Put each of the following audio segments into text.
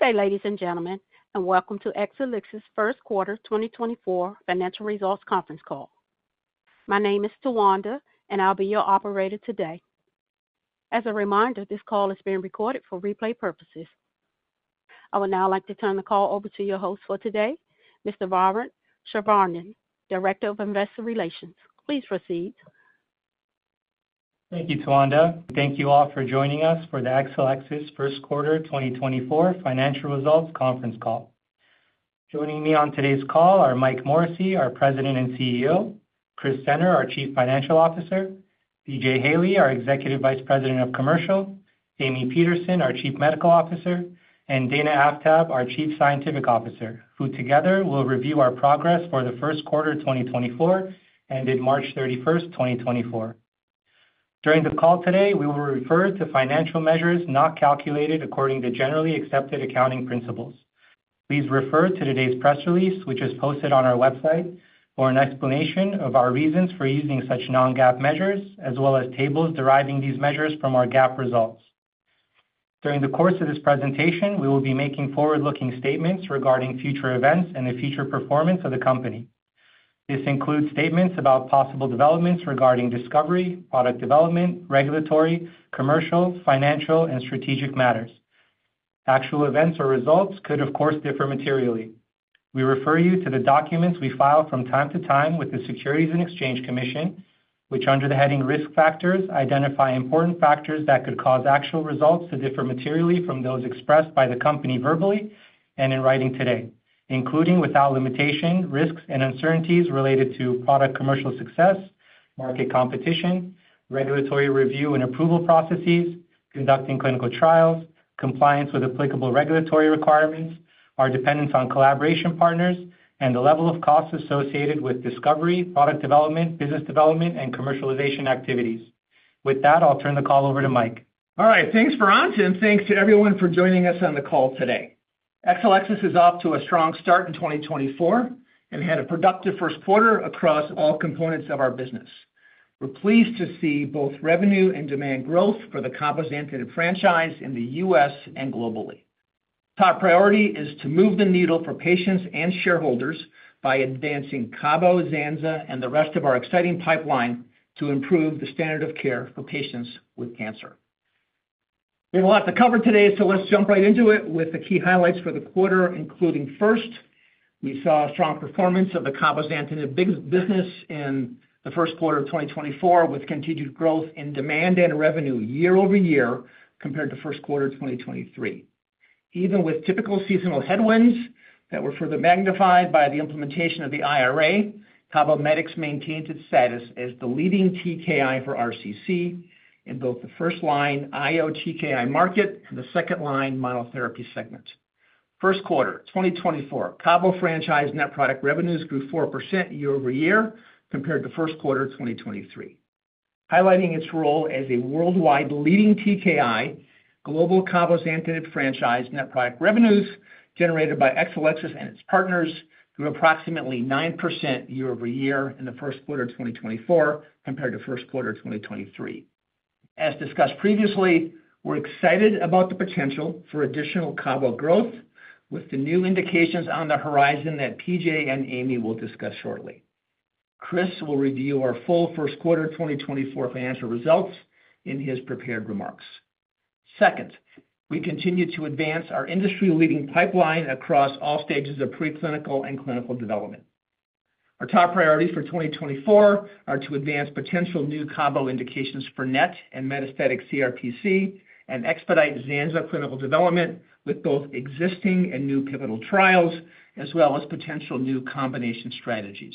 Good day, ladies and gentlemen, and welcome to Exelixis' first quarter 2024 financial results conference call. My name is Tawanda, and I'll be your operator today. As a reminder, this call is being recorded for replay purposes. I would now like to turn the call over to your host for today, Mr. Varant Shirvanian, Director of Investor Relations. Please proceed. Thank you, Tawanda. Thank you all for joining us for the Exelixis' first quarter 2024 financial results conference call. Joining me on today's call are Mike Morrissey, our President and CEO; Chris Senner, our Chief Financial Officer; P.J. Haley, our Executive Vice President of Commercial; Amy Peterson, our Chief Medical Officer; and Dana Aftab, our Chief Scientific Officer, who together will review our progress for the first quarter 2024 ended March 31, 2024. During the call today, we will refer to financial measures not calculated according to generally accepted accounting principles. Please refer to today's press release, which is posted on our website, for an explanation of our reasons for using such non-GAAP measures as well as tables deriving these measures from our GAAP results. During the course of this presentation, we will be making forward-looking statements regarding future events and the future performance of the company. This includes statements about possible developments regarding discovery, product development, regulatory, commercial, financial, and strategic matters. Actual events or results could, of course, differ materially. We refer you to the documents we file from time to time with the Securities and Exchange Commission, which under the heading Risk Factors identify important factors that could cause actual results to differ materially from those expressed by the company verbally and in writing today, including without limitation risks and uncertainties related to product commercial success, market competition, regulatory review and approval processes, conducting clinical trials, compliance with applicable regulatory requirements, our dependence on collaboration partners, and the level of costs associated with discovery, product development, business development, and commercialization activities. With that, I'll turn the call over to Mike. All right. Thanks, Varant, and thanks to everyone for joining us on the call today. Exelixis is off to a strong start in 2024 and had a productive first quarter across all components of our business. We're pleased to see both revenue and demand growth for the CABOMETYX franchise in the U.S. and globally. Top priority is to move the needle for patients and shareholders by advancing CABOMETYX and the rest of our exciting pipeline to improve the standard of care for patients with cancer. We have a lot to cover today, so let's jump right into it with the key highlights for the quarter, including first. We saw a strong performance of the CABOMETYX business in the first quarter of 2024 with continued growth in demand and revenue year-over-year compared to first quarter 2023. Even with typical seasonal headwinds that were further magnified by the implementation of the IRA, CABOMETYX maintained its status as the leading TKI for RCC in both the first-line IO TKI market and the second-line monotherapy segment. First quarter 2024, CABOMETYX franchise net product revenues grew 4% year-over-year compared to first quarter 2023. Highlighting its role as a worldwide leading TKI, global CABOMETYX franchise net product revenues generated by Exelixis and its partners grew approximately 9% year-over-year in the first quarter 2024 compared to first quarter 2023. As discussed previously, we're excited about the potential for additional CABOMETYX growth with the new indications on the horizon that PJ and Amy will discuss shortly. Chris will review our full first quarter 2024 financial results in his prepared remarks. Second, we continue to advance our industry-leading pipeline across all stages of preclinical and clinical development. Our top priorities for 2024 are to advance potential new Cabo indications for NET and metastatic CRPC and expedite zanzalitinib clinical development with both existing and new pivotal trials as well as potential new combination strategies.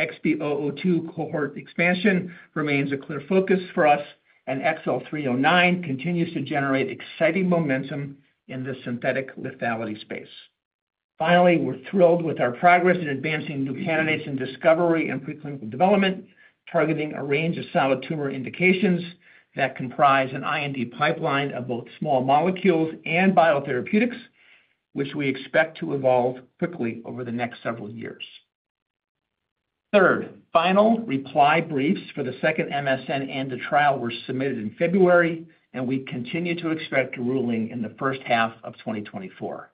XB002 cohort expansion remains a clear focus for us, and XL309 continues to generate exciting momentum in the synthetic lethality space. Finally, we're thrilled with our progress in advancing new candidates in discovery and preclinical development, targeting a range of solid tumor indications that comprise an IND pipeline of both small molecules and biotherapeutics, which we expect to evolve quickly over the next several years. Third, final reply briefs for the second MSN ANDA trial were submitted in February, and we continue to expect a ruling in the first half of 2024.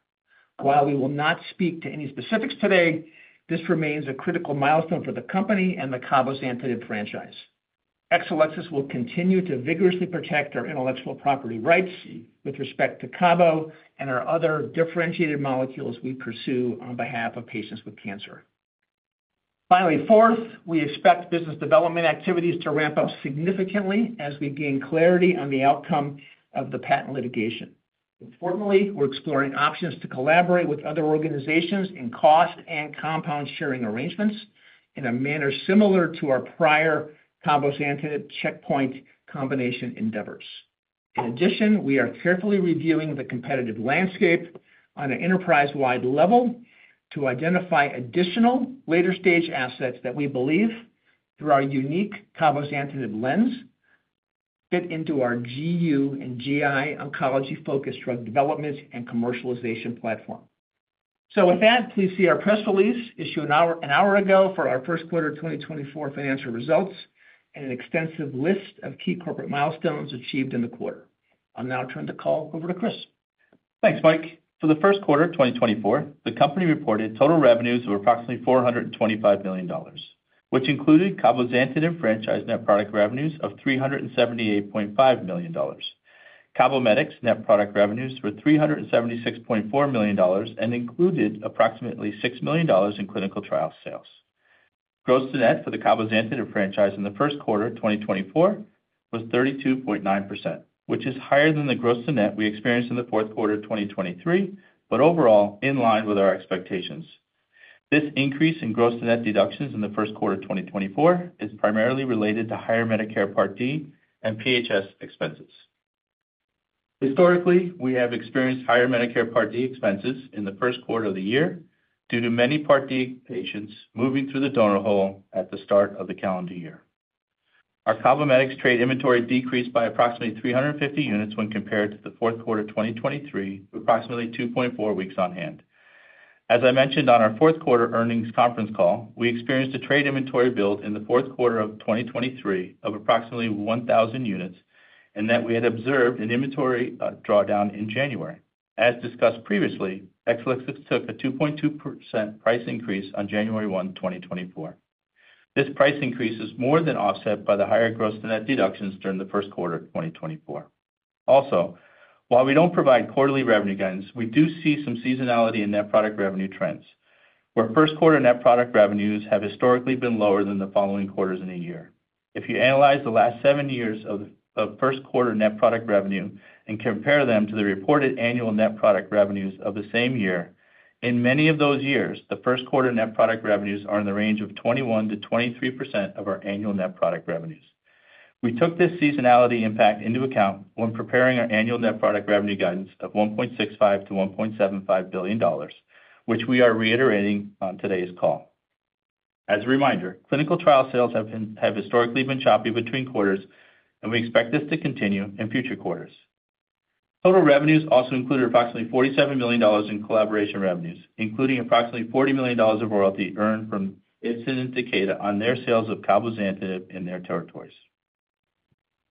While we will not speak to any specifics today, this remains a critical milestone for the company and the Cabometyx franchise. Exelixis will continue to vigorously protect our intellectual property rights with respect to Cabometyx and our other differentiated molecules we pursue on behalf of patients with cancer. Finally, fourth, we expect business development activities to ramp up significantly as we gain clarity on the outcome of the patent litigation. Fortunately, we're exploring options to collaborate with other organizations in cost and compound sharing arrangements in a manner similar to our prior Cabometyx checkpoint combination endeavors. In addition, we are carefully reviewing the competitive landscape on an enterprise-wide level to identify additional later-stage assets that we believe, through our unique Cabometyx lens, fit into our GU and GI oncology-focused drug development and commercialization platform. So with that, please see our press release issued an hour ago for our first quarter 2024 financial results and an extensive list of key corporate milestones achieved in the quarter. I'll now turn the call over to Chris. Thanks, Mike. For the first quarter 2024, the company reported total revenues of approximately $425 million, which included CABOMETYX franchise net product revenues of $378.5 million. CABOMETYX net product revenues were $376.4 million and included approximately $6 million in clinical trial sales. Gross-to-net for the CABOMETYX franchise in the first quarter 2024 was 32.9%, which is higher than the gross-to-net we experienced in the fourth quarter 2023 but overall in line with our expectations. This increase in gross-to-net deductions in the first quarter 2024 is primarily related to higher Medicare Part D and PHS expenses. Historically, we have experienced higher Medicare Part D expenses in the first quarter of the year due to many Part D patients moving through the donut hole at the start of the calendar year. Our Cabometyx trade inventory decreased by approximately 350 units when compared to the fourth quarter 2023, approximately 2.4 weeks on hand. As I mentioned on our fourth quarter earnings conference call, we experienced a trade inventory build in the fourth quarter of 2023 of approximately 1,000 units in that we had observed an inventory drawdown in January. As discussed previously, Exelixis took a 2.2% price increase on January 1, 2024. This price increase is more than offset by the higher gross to net deductions during the first quarter of 2024. Also, while we don't provide quarterly revenue gains, we do see some seasonality in net product revenue trends, where first quarter net product revenues have historically been lower than the following quarters in a year. If you analyze the last seven years of first quarter net product revenue and compare them to the reported annual net product revenues of the same year, in many of those years, the first quarter net product revenues are in the range of 21%-23% of our annual net product revenues. We took this seasonality impact into account when preparing our annual net product revenue guidance of $1.65-$1.75 billion, which we are reiterating on today's call. As a reminder, clinical trial sales have historically been choppy between quarters, and we expect this to continue in future quarters. Total revenues also included approximately $47 million in collaboration revenues, including approximately $40 million of royalty earned from Ipsen and Takeda on their sales of Cabometyx in their territories.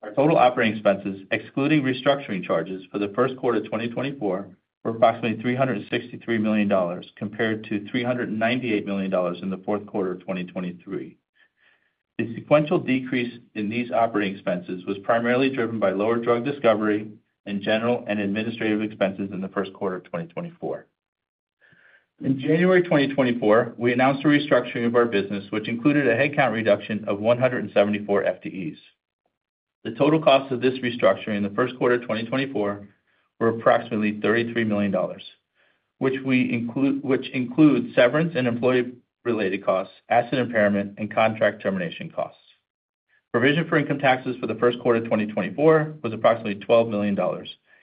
Our total operating expenses, excluding restructuring charges for the first quarter 2024, were approximately $363 million compared to $398 million in the fourth quarter of 2023. The sequential decrease in these operating expenses was primarily driven by lower drug discovery and general and administrative expenses in the first quarter of 2024. In January 2024, we announced a restructuring of our business, which included a headcount reduction of 174 FTEs. The total costs of this restructuring in the first quarter of 2024 were approximately $33 million, which includes severance and employee-related costs, asset impairment, and contract termination costs. Provision for income taxes for the first quarter 2024 was approximately $12 million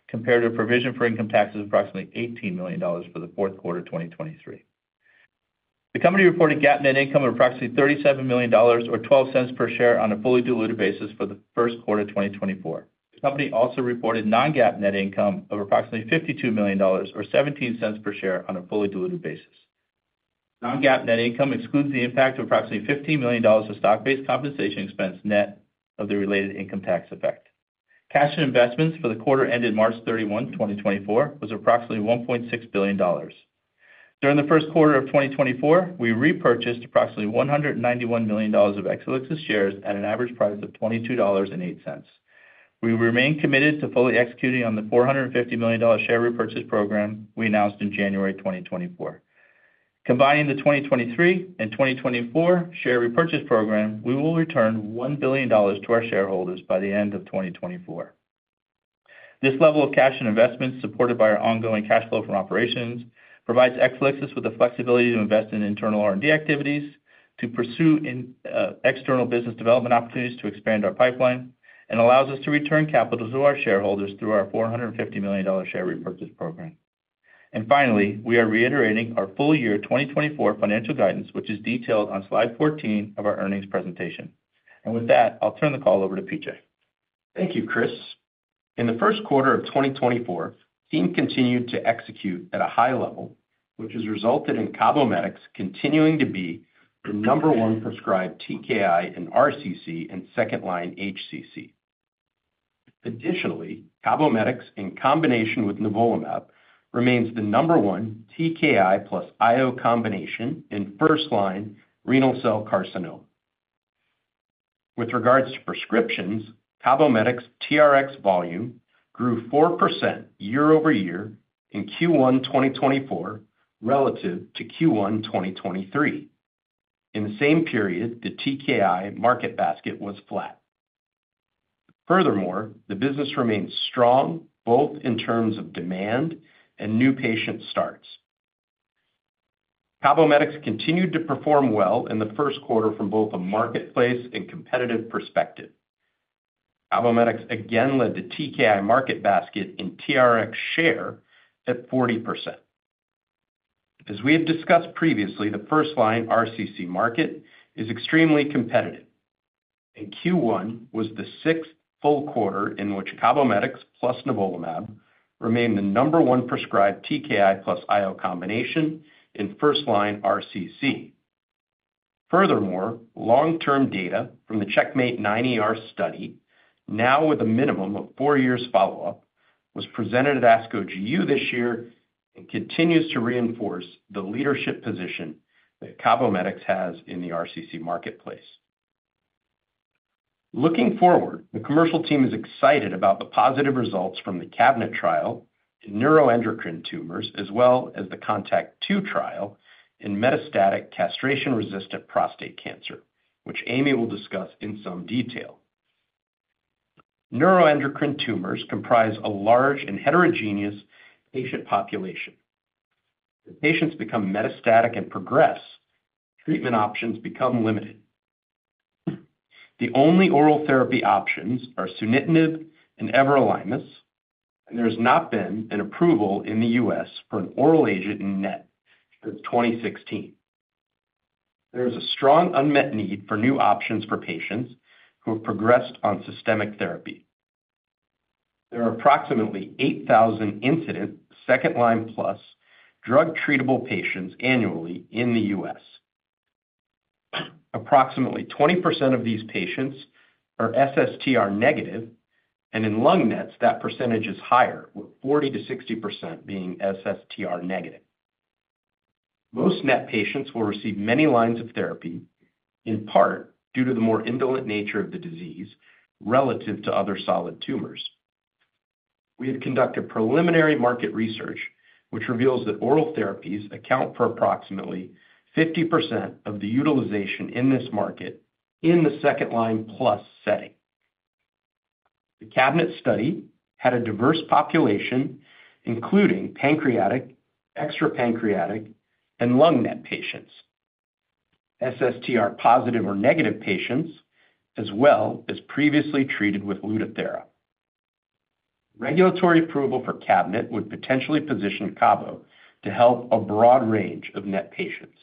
compared to provision for income taxes approximately $18 million for the fourth quarter 2023. The company reported GAAP net income of approximately $37 million or $0.12 per share on a fully diluted basis for the first quarter 2024. The company also reported non-GAAP net income of approximately $52 million or 17 cents per share on a fully diluted basis. Non-GAAP net income excludes the impact of approximately $15 million of stock-based compensation expense net of the related income tax effect. Cash and investments for the quarter ended March 31, 2024, was approximately $1.6 billion. During the first quarter of 2024, we repurchased approximately $191 million of Exelixis shares at an average price of $22.08. We remain committed to fully executing on the $450 million share repurchase program we announced in January 2024. Combining the 2023 and 2024 share repurchase program, we will return $1 billion to our shareholders by the end of 2024. This level of cash and investments, supported by our ongoing cash flow from operations, provides Exelixis with the flexibility to invest in internal R&D activities, to pursue external business development opportunities to expand our pipeline, and allows us to return capital to our shareholders through our $450 million share repurchase program. Finally, we are reiterating our full year 2024 financial guidance, which is detailed on slide 14 of our earnings presentation. With that, I'll turn the call over to PJ. Thank you, Chris. In the first quarter of 2024, SEAM continued to execute at a high level, which has resulted in CABOMETYX continuing to be the number one prescribed TKI in RCC and second-line HCC. Additionally, CABOMETYX, in combination with nivolumab, remains the number one TKI plus IO combination in first-line renal cell carcinoma. With regards to prescriptions, CABOMETYX TRX volume grew 4% year-over-year in Q1 2024 relative to Q1 2023. In the same period, the TKI market basket was flat. Furthermore, the business remains strong both in terms of demand and new patient starts. CABOMETYX continued to perform well in the first quarter from both a marketplace and competitive perspective. CABOMETYX again led the TKI market basket in TRX share at 40%. As we have discussed previously, the first-line RCC market is extremely competitive, and Q1 was the sixth full quarter in which CABOMETYX plus nivolumab remained the number one prescribed TKI plus IO combination in first-line RCC. Furthermore, long-term data from the CheckMate 9ER study, now with a minimum of four years follow-up, was presented at ASCO GU this year and continues to reinforce the leadership position that CABOMETYX has in the RCC marketplace. Looking forward, the commercial team is excited about the positive results from the CABINET trial in neuroendocrine tumors as well as the CONTACT-02 trial in metastatic castration-resistant prostate cancer, which Amy will discuss in some detail. Neuroendocrine tumors comprise a large and heterogeneous patient population. If patients become metastatic and progress, treatment options become limited. The only oral therapy options are sunitinib and everolimus, and there has not been an approval in the U.S. for an oral agent in NET since 2016. There is a strong unmet need for new options for patients who have progressed on systemic therapy. There are approximately 8,000 incident second-line plus drug-treatable patients annually in the U.S. Approximately 20% of these patients are SSTR-negative, and in lung NETs, that percentage is higher, with 40%-60% being SSTR-negative. Most NET patients will receive many lines of therapy, in part due to the more indolent nature of the disease relative to other solid tumors. We have conducted preliminary market research, which reveals that oral therapies account for approximately 50% of the utilization in this market in the second-line plus setting. The CABINET study had a diverse population, including pancreatic, extrapancreatic, and lung NET patients, SSTR-positive or negative patients, as well as previously treated with Lutathera. Regulatory approval for CABINET would potentially position Cabo to help a broad range of NET patients.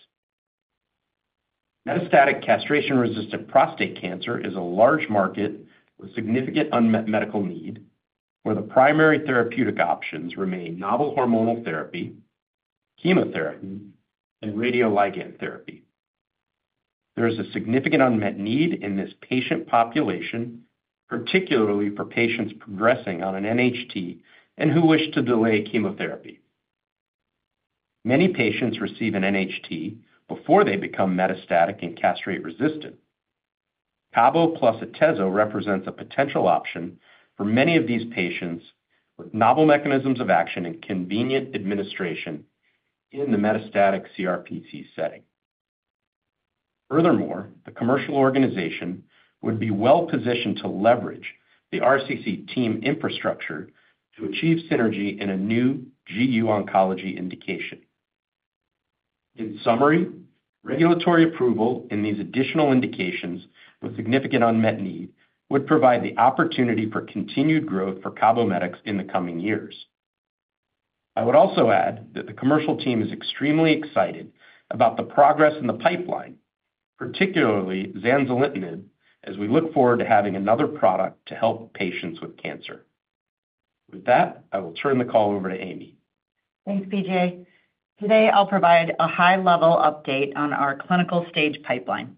Metastatic castration-resistant prostate cancer is a large market with significant unmet medical need, where the primary therapeutic options remain novel hormonal therapy, chemotherapy, and radioligand therapy. There is a significant unmet need in this patient population, particularly for patients progressing on an NHT and who wish to delay chemotherapy. Many patients receive an NHT before they become metastatic and castrate-resistant. Cabo + Atezo represents a potential option for many of these patients with novel mechanisms of action and convenient administration in the metastatic CRPC setting. Furthermore, the commercial organization would be well-positioned to leverage the RCC team infrastructure to achieve synergy in a new GU oncology indication. In summary, regulatory approval in these additional indications with significant unmet need would provide the opportunity for continued growth for Cabometyx in the coming years. I would also add that the commercial team is extremely excited about the progress in the pipeline, particularly zanzalitinib, as we look forward to having another product to help patients with cancer. With that, I will turn the call over to Amy. Thanks, P.J. Today, I'll provide a high-level update on our clinical stage pipeline.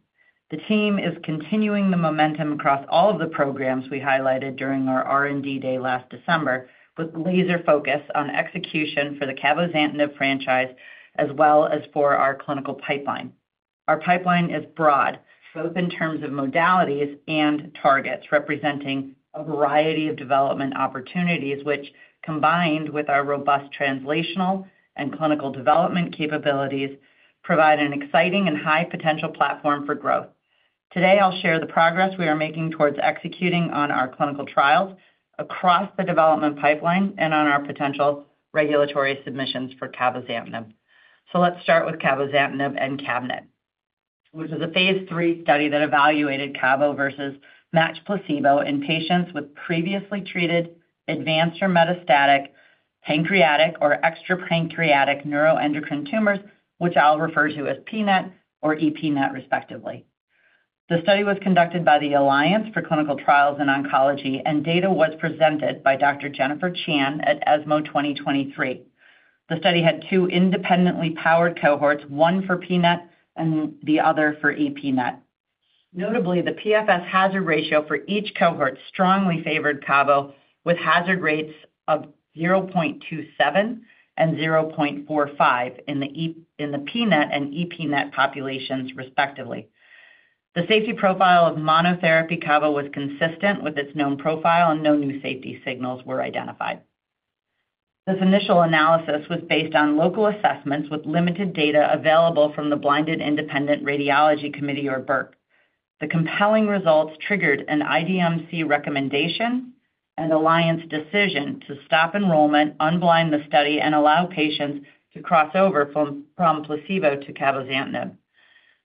The team is continuing the momentum across all of the programs we highlighted during our R&D day last December, with laser focus on execution for the cabozantinib franchise as well as for our clinical pipeline. Our pipeline is broad, both in terms of modalities and targets, representing a variety of development opportunities, which, combined with our robust translational and clinical development capabilities, provide an exciting and high-potential platform for growth. Today, I'll share the progress we are making towards executing on our clinical trials across the development pipeline and on our potential regulatory submissions for cabozantinib. Let's start with cabozantinib and CABINET, which was a phase III study that evaluated cabozantinib versus matched placebo in patients with previously treated advanced or metastatic pancreatic or extrapancreatic neuroendocrine tumors, which I'll refer to as PNET or EPNET, respectively. The study was conducted by the Alliance for Clinical Trials in Oncology, and data was presented by Dr. Jennifer Chan at ESMO 2023. The study had two independently powered cohorts, one for PNET and the other for EPNET. Notably, the PFS hazard ratio for each cohort strongly favored cabozantinib, with hazard rates of 0.27 and 0.45 in the PNET and EPNET populations, respectively. The safety profile of monotherapy cabozantinib was consistent with its known profile, and no new safety signals were identified. This initial analysis was based on local assessments with limited data available from the Blinded Independent Radiology Committee, or BICR. The compelling results triggered an IDMC recommendation and alliance decision to stop enrollment, unblind the study, and allow patients to cross over from placebo to Cabometyx.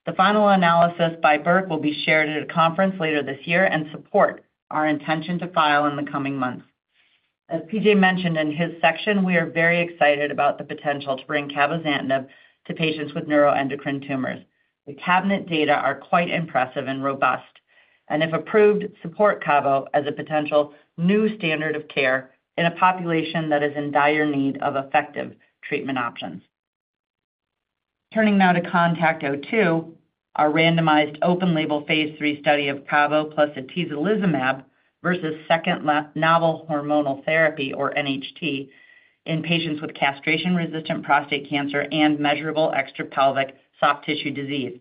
The final analysis by BICR will be shared at a conference later this year and support our intention to file in the coming months. As PJ mentioned in his section, we are very excited about the potential to bring Cabometyx to patients with neuroendocrine tumors. The CABINET data are quite impressive and robust, and if approved, support Cabometyx as a potential new standard of care in a population that is in dire need of effective treatment options. Turning now to CONTACT-02, our randomized open-label phase III study of Cabometyx plus atezolizumab versus second novel hormonal therapy, or NHT, in patients with castration-resistant prostate cancer and measurable extrapelvic soft tissue disease.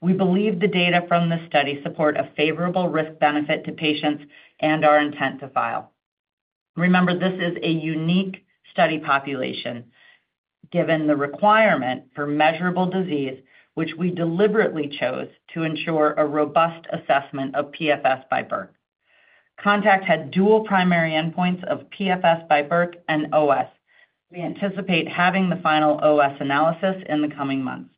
We believe the data from this study support a favorable risk-benefit to patients and our intent to file. Remember, this is a unique study population, given the requirement for measurable disease, which we deliberately chose to ensure a robust assessment of PFS by BIRC. CONTACT had dual primary endpoints of PFS by BIRC and OS. We anticipate having the final OS analysis in the coming months.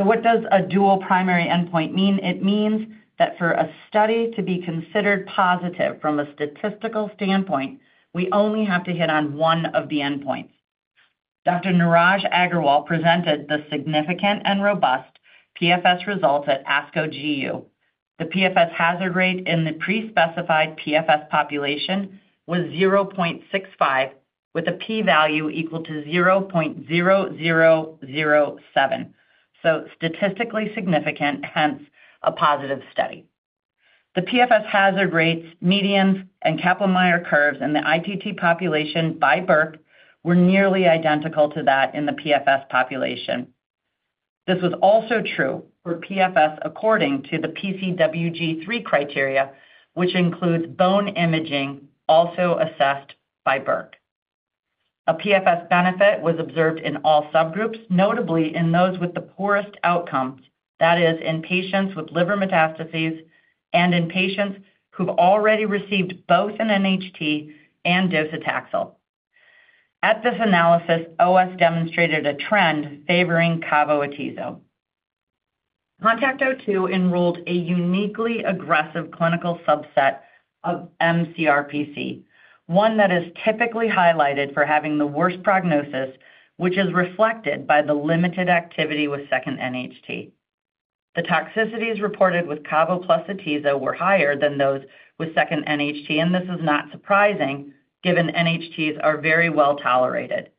So what does a dual primary endpoint mean? It means that for a study to be considered positive from a statistical standpoint, we only have to hit on one of the endpoints. Dr. Neeraj Agarwal presented the significant and robust PFS results at ASCO GU. The PFS hazard rate in the prespecified PFS population was 0.65, with a p-value equal to 0.0007. So statistically significant, hence a positive study. The PFS hazard rates, medians, and Kaplan-Meier curves in the ITT population by BIRC were nearly identical to that in the PFS population. This was also true for PFS according to the PCWG3 criteria, which includes bone imaging, also assessed by BIRC. A PFS benefit was observed in all subgroups, notably in those with the poorest outcomes, that is, in patients with liver metastases and in patients who've already received both an NHT and docetaxel. At this analysis, OS demonstrated a trend favoring Cabo Atezzo. CONTACT-02 enrolled a uniquely aggressive clinical subset of mCRPC, one that is typically highlighted for having the worst prognosis, which is reflected by the limited activity with second NHT. The toxicities reported with Cabo plus Atezzo were higher than those with second NHT, and this is not surprising, given NHTs are very well tolerated,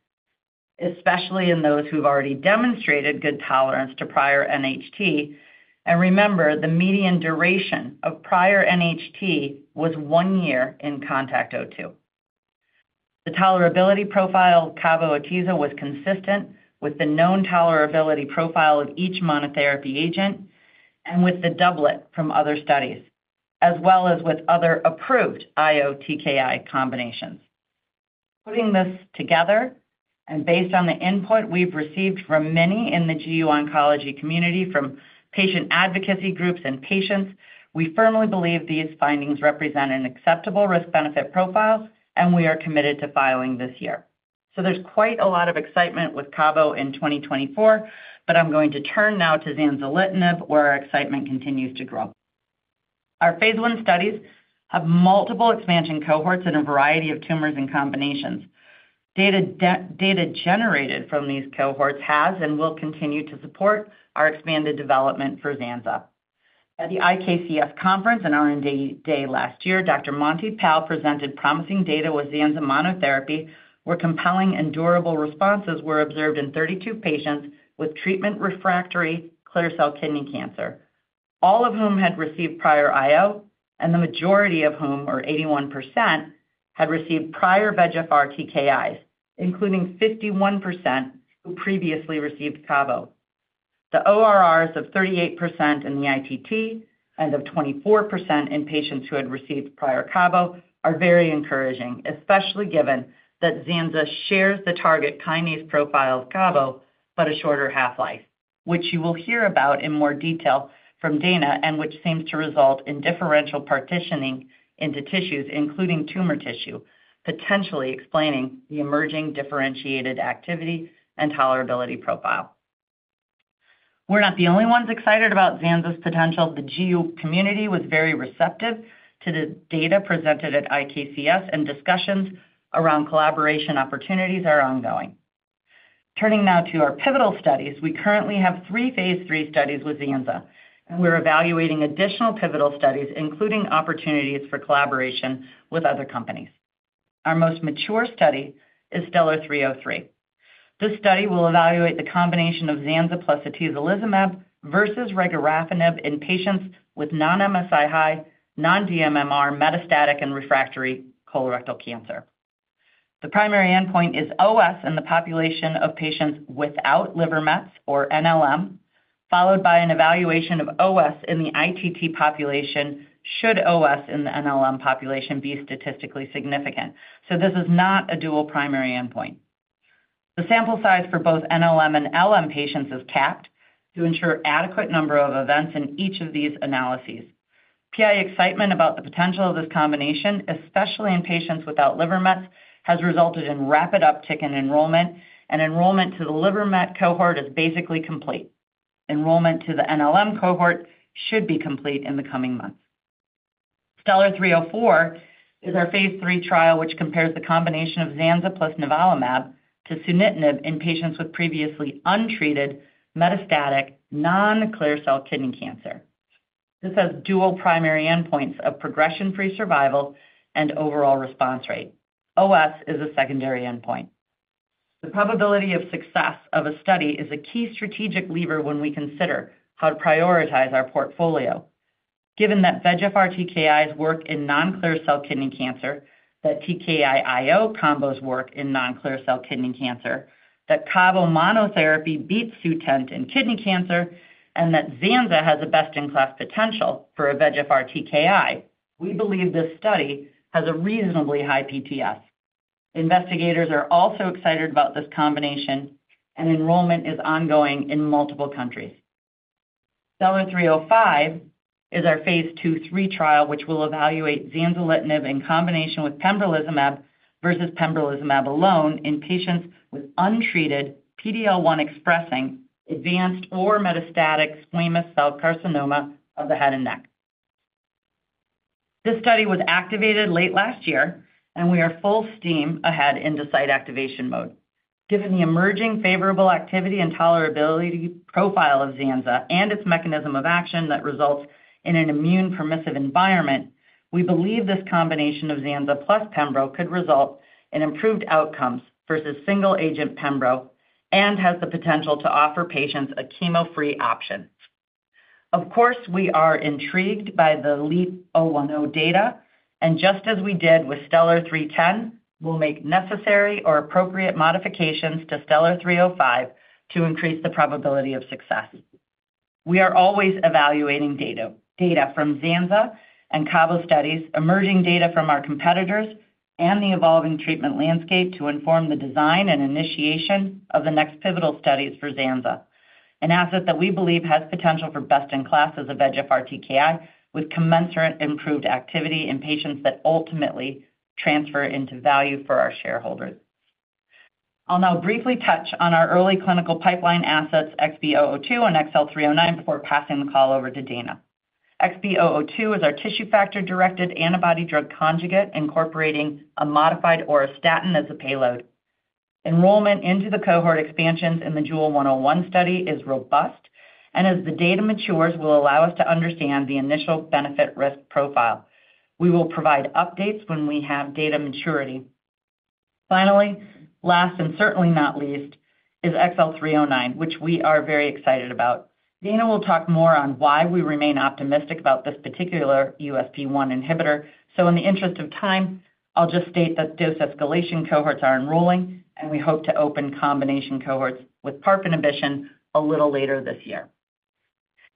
especially in those who've already demonstrated good tolerance to prior NHT. And remember, the median duration of prior NHT was one year in CONTACT-02. The tolerability profile Cabo Atezzo was consistent with the known tolerability profile of each monotherapy agent and with the doublet from other studies, as well as with other approved IO-TKI combinations. Putting this together and based on the input we've received from many in the GU oncology community, from patient advocacy groups and patients, we firmly believe these findings represent an acceptable risk-benefit profile, and we are committed to filing this year. So there's quite a lot of excitement with Cabo in 2024, but I'm going to turn now to zanzalitinib, where our excitement continues to grow. Our phase I studies have multiple expansion cohorts in a variety of tumors and combinations. Data generated from these cohorts has and will continue to support our expanded development for Zanza. At the IKCS conference and R&D day last year, Dr. Monty Pal presented promising data with Zanza monotherapy, where compelling and durable responses were observed in 32 patients with treatment-refractory clear-cell kidney cancer, all of whom had received prior IO, and the majority of whom, or 81%, had received prior VEGFR TKIs, including 51% who previously received Cabo. The ORRs of 38% in the ITT and of 24% in patients who had received prior Cabo are very encouraging, especially given that Zanza shares the target kinase profile of Cabo but a shorter half-life, which you will hear about in more detail from Dana, and which seems to result in differential partitioning into tissues, including tumor tissue, potentially explaining the emerging differentiated activity and tolerability profile. We're not the only ones excited about Zanza's potential. The GU community was very receptive to the data presented at IKCS, and discussions around collaboration opportunities are ongoing. Turning now to our pivotal studies, we currently have three phase III studies with Zanza, and we're evaluating additional pivotal studies, including opportunities for collaboration with other companies. Our most mature study is STELLAR-303. This study will evaluate the combination of Zanza plus atezolizumab versus regorafenib in patients with non-MSI-H, non-DMMR metastatic and refractory colorectal cancer. The primary endpoint is OS in the population of patients without liver mets, or NLM, followed by an evaluation of OS in the ITT population. Should OS in the NLM population be statistically significant? So this is not a dual primary endpoint. The sample size for both NLM and LM patients is capped to ensure an adequate number of events in each of these analyses. PI excitement about the potential of this combination, especially in patients without liver mets, has resulted in rapid uptick in enrollment, and enrollment to the liver met cohort is basically complete. Enrollment to the NLM cohort should be complete in the coming months. STELLAR-304 is our phase III trial, which compares the combination of Zanza plus nivolumab to sunitinib in patients with previously untreated metastatic non-clear-cell kidney cancer. This has dual primary endpoints of progression-free survival and overall response rate. OS is a secondary endpoint. The probability of success of a study is a key strategic lever when we consider how to prioritize our portfolio. Given that VEGFR TKIs work in non-clear-cell kidney cancer, that TKI IO combos work in non-clear-cell kidney cancer, that Cabo monotherapy beats Sutent in kidney cancer, and that Zanza has the best-in-class potential for a VEGFR TKI, we believe this study has a reasonably high PTS. Investigators are also excited about this combination, and enrollment is ongoing in multiple countries. STELLAR-305 is our phase III trial, which will evaluate zanzalitinib in combination with pembrolizumab versus pembrolizumab alone in patients with untreated PD-L1 expressing advanced or metastatic squamous cell carcinoma of the head and neck. This study was activated late last year, and we are full steam ahead in site activation mode. Given the emerging favorable activity and tolerability profile of Zanza and its mechanism of action that results in an immune permissive environment, we believe this combination of Zanza plus pembro could result in improved outcomes versus single-agent pembro and has the potential to offer patients a chemo-free option. Of course, we are intrigued by the LEAP-010 data, and just as we did with STELLAR-310, we'll make necessary or appropriate modifications to STELLAR-305 to increase the probability of success. We are always evaluating data from Zanza and Cabo studies, emerging data from our competitors, and the evolving treatment landscape to inform the design and initiation of the next pivotal studies for Zanza, an asset that we believe has potential for best-in-class as a VEGFR TKI with commensurate improved activity in patients that ultimately transfer into value for our shareholders. I'll now briefly touch on our early clinical pipeline assets, XB002 and XL309, before passing the call over to Dana. XB002 is our tissue factor-directed antibody-drug conjugate, incorporating a modified auristatin as a payload. Enrollment into the cohort expansions in the JEWEL-101 study is robust, and as the data matures, will allow us to understand the initial benefit-risk profile. We will provide updates when we have data maturity. Finally, last and certainly not least, is XL309, which we are very excited about. Dana will talk more on why we remain optimistic about this particular USP1 inhibitor. So in the interest of time, I'll just state that dose escalation cohorts are enrolling, and we hope to open combination cohorts with PARP inhibition a little later this year.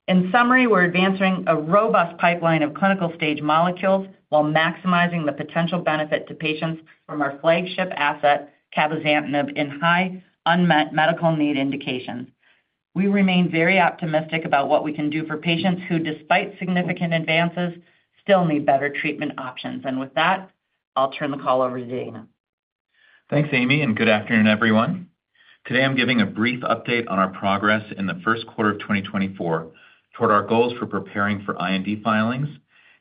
In summary, we're advancing a robust pipeline of clinical stage molecules while maximizing the potential benefit to patients from our flagship asset, cabozantinib, in high unmet medical need indications. We remain very optimistic about what we can do for patients who, despite significant advances, still need better treatment options. And with that, I'll turn the call over to Dana. Thanks, Amy, and good afternoon, everyone. Today, I'm giving a brief update on our progress in the first quarter of 2024 toward our goals for preparing for IND filings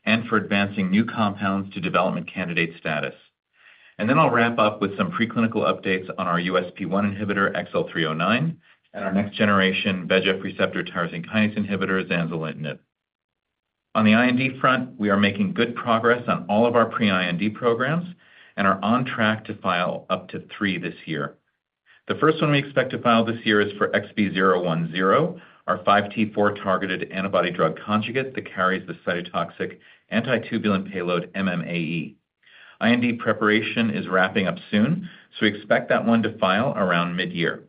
and for advancing new compounds to development candidate status. Then I'll wrap up with some preclinical updates on our USP1 inhibitor, XL309, and our next-generation VEGF receptor tyrosine kinase inhibitor, zanzalitinib. On the IND front, we are making good progress on all of our pre-IND programs and are on track to file up to three this year. The first one we expect to file this year is for XB010, our 5T4-targeted antibody-drug conjugate that carries the cytotoxic anti-tubulin payload MMAE. IND preparation is wrapping up soon, so we expect that one to file around mid-year.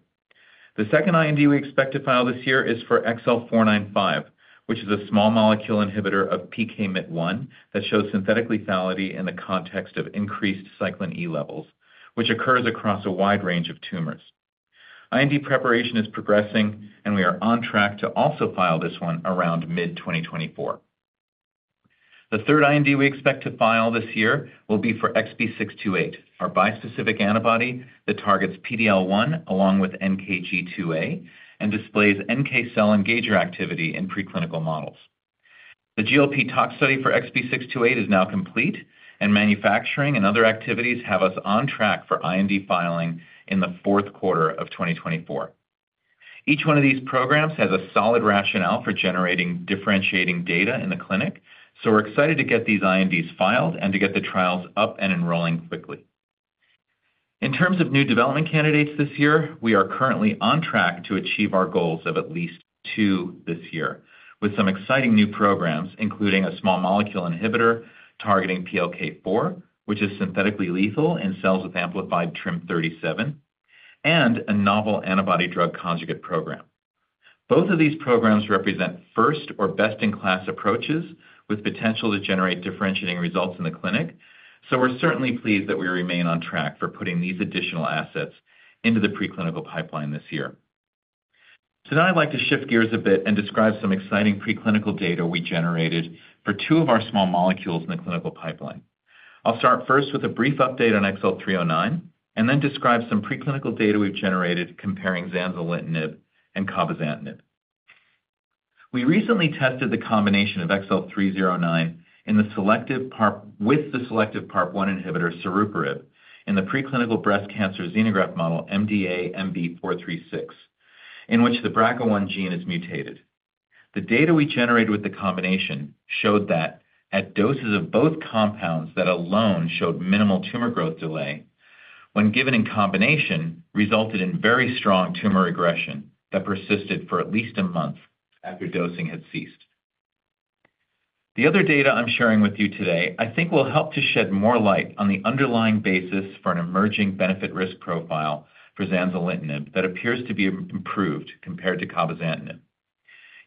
The second IND we expect to file this year is for XL495, which is a small molecule inhibitor of PKMYT1 that shows synthetic lethality in the context of increased cyclin E levels, which occurs across a wide range of tumors. IND preparation is progressing, and we are on track to also file this one around mid-2024. The third IND we expect to file this year will be for XB628, our bispecific antibody that targets PD-L1 along with NKG2A and displays NK cell engager activity in preclinical models. The GLP tox study for XB628 is now complete, and manufacturing and other activities have us on track for IND filing in the fourth quarter of 2024. Each one of these programs has a solid rationale for generating differentiating data in the clinic, so we're excited to get these INDs filed and to get the trials up and enrolling quickly. In terms of new development candidates this year, we are currently on track to achieve our goals of at least two this year with some exciting new programs, including a small molecule inhibitor targeting PLK4, which is synthetically lethal in cells with amplified TRIM37, and a novel antibody-drug conjugate program. Both of these programs represent first or best-in-class approaches with potential to generate differentiating results in the clinic, so we're certainly pleased that we remain on track for putting these additional assets into the preclinical pipeline this year. Today, I'd like to shift gears a bit and describe some exciting preclinical data we generated for two of our small molecules in the clinical pipeline. I'll start first with a brief update on XL309 and then describe some preclinical data we've generated comparing zanzalitinib and cabozantinib. We recently tested the combination of XL309 with the selective PARP1 inhibitor, saruparib, in the preclinical breast cancer xenograft model, MDA-MB436, in which the BRCA1 gene is mutated. The data we generated with the combination showed that at doses of both compounds that alone showed minimal tumor growth delay, when given in combination, resulted in very` strong tumor regression that persisted for at least a month after dosing had ceased. The other data I'm sharing with you today, I think, will help to shed more light on the underlying basis for an emerging benefit-risk profile for zanzalitinib that appears to be improved compared to cabozantinib.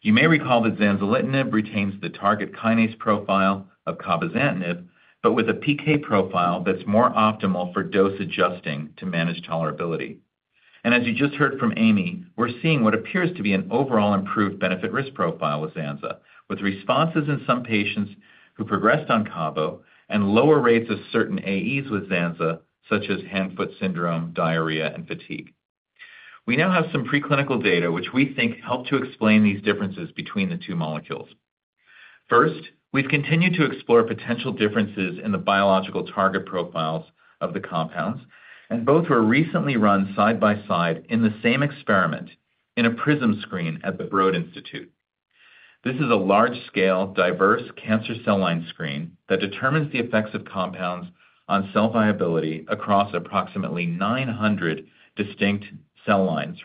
You may recall that zanzalitinib retains the target kinase profile of cabozantinib, but with a PK profile that's more optimal for dose adjusting to manage tolerability. And as you just heard from Amy, we're seeing what appears to be an overall improved benefit-risk profile with Zanza, with responses in some patients who progressed on Cabo and lower rates of certain AEs with Zanza, such as hand-foot syndrome, diarrhea, and fatigue. We now have some preclinical data, which we think helped to explain these differences between the two molecules. First, we've continued to explore potential differences in the biological target profiles of the compounds, and both were recently run side by side in the same experiment in a prism screen at the Broad Institute. This is a large-scale, diverse cancer cell line screen that determines the effects of compounds on cell viability across approximately 900 distinct cell lines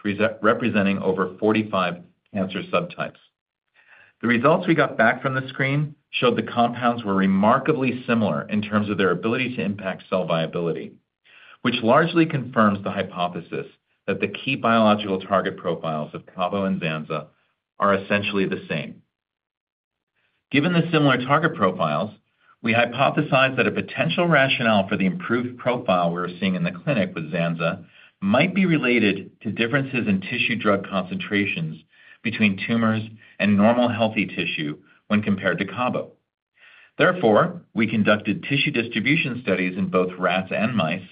representing over 45 cancer subtypes. The results we got back from the screen showed the compounds were remarkably similar in terms of their ability to impact cell viability, which largely confirms the hypothesis that the key biological target profiles of Cabo and Zanza are essentially the same. Given the similar target profiles, we hypothesized that a potential rationale for the improved profile we were seeing in the clinic with Zanza might be related to differences in tissue drug concentrations between tumors and normal healthy tissue when compared to Cabo. Therefore, we conducted tissue distribution studies in both rats and mice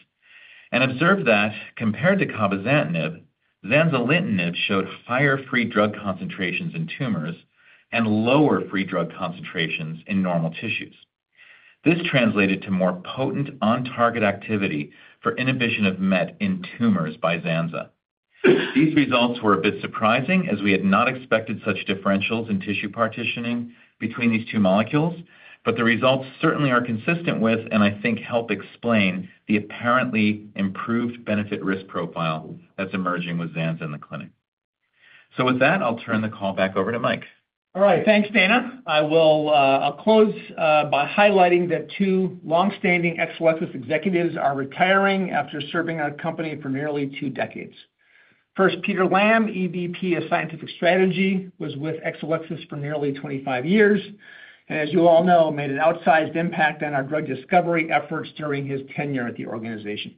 and observed that compared to cabozantinib, zanzalitinib showed higher free drug concentrations in tumors and lower free drug concentrations in normal tissues. This translated to more potent on-target activity for inhibition of MET in tumors by Zanza. These results were a bit surprising, as we had not expected such differentials in tissue partitioning between these two molecules, but the results certainly are consistent with and I think help explain the apparently improved benefit-risk profile that's emerging with Zanza in the clinic. So with that, I'll turn the call back over to Mike. All right. Thanks, Dana. I'll close by highlighting that two longstanding Exelixis executives are retiring after serving our company for nearly two decades. First, Peter Lamb, EVP of scientific strategy, was with Exelixis for nearly 25 years and, as you all know, made an outsized impact on our drug discovery efforts during his tenure at the organization.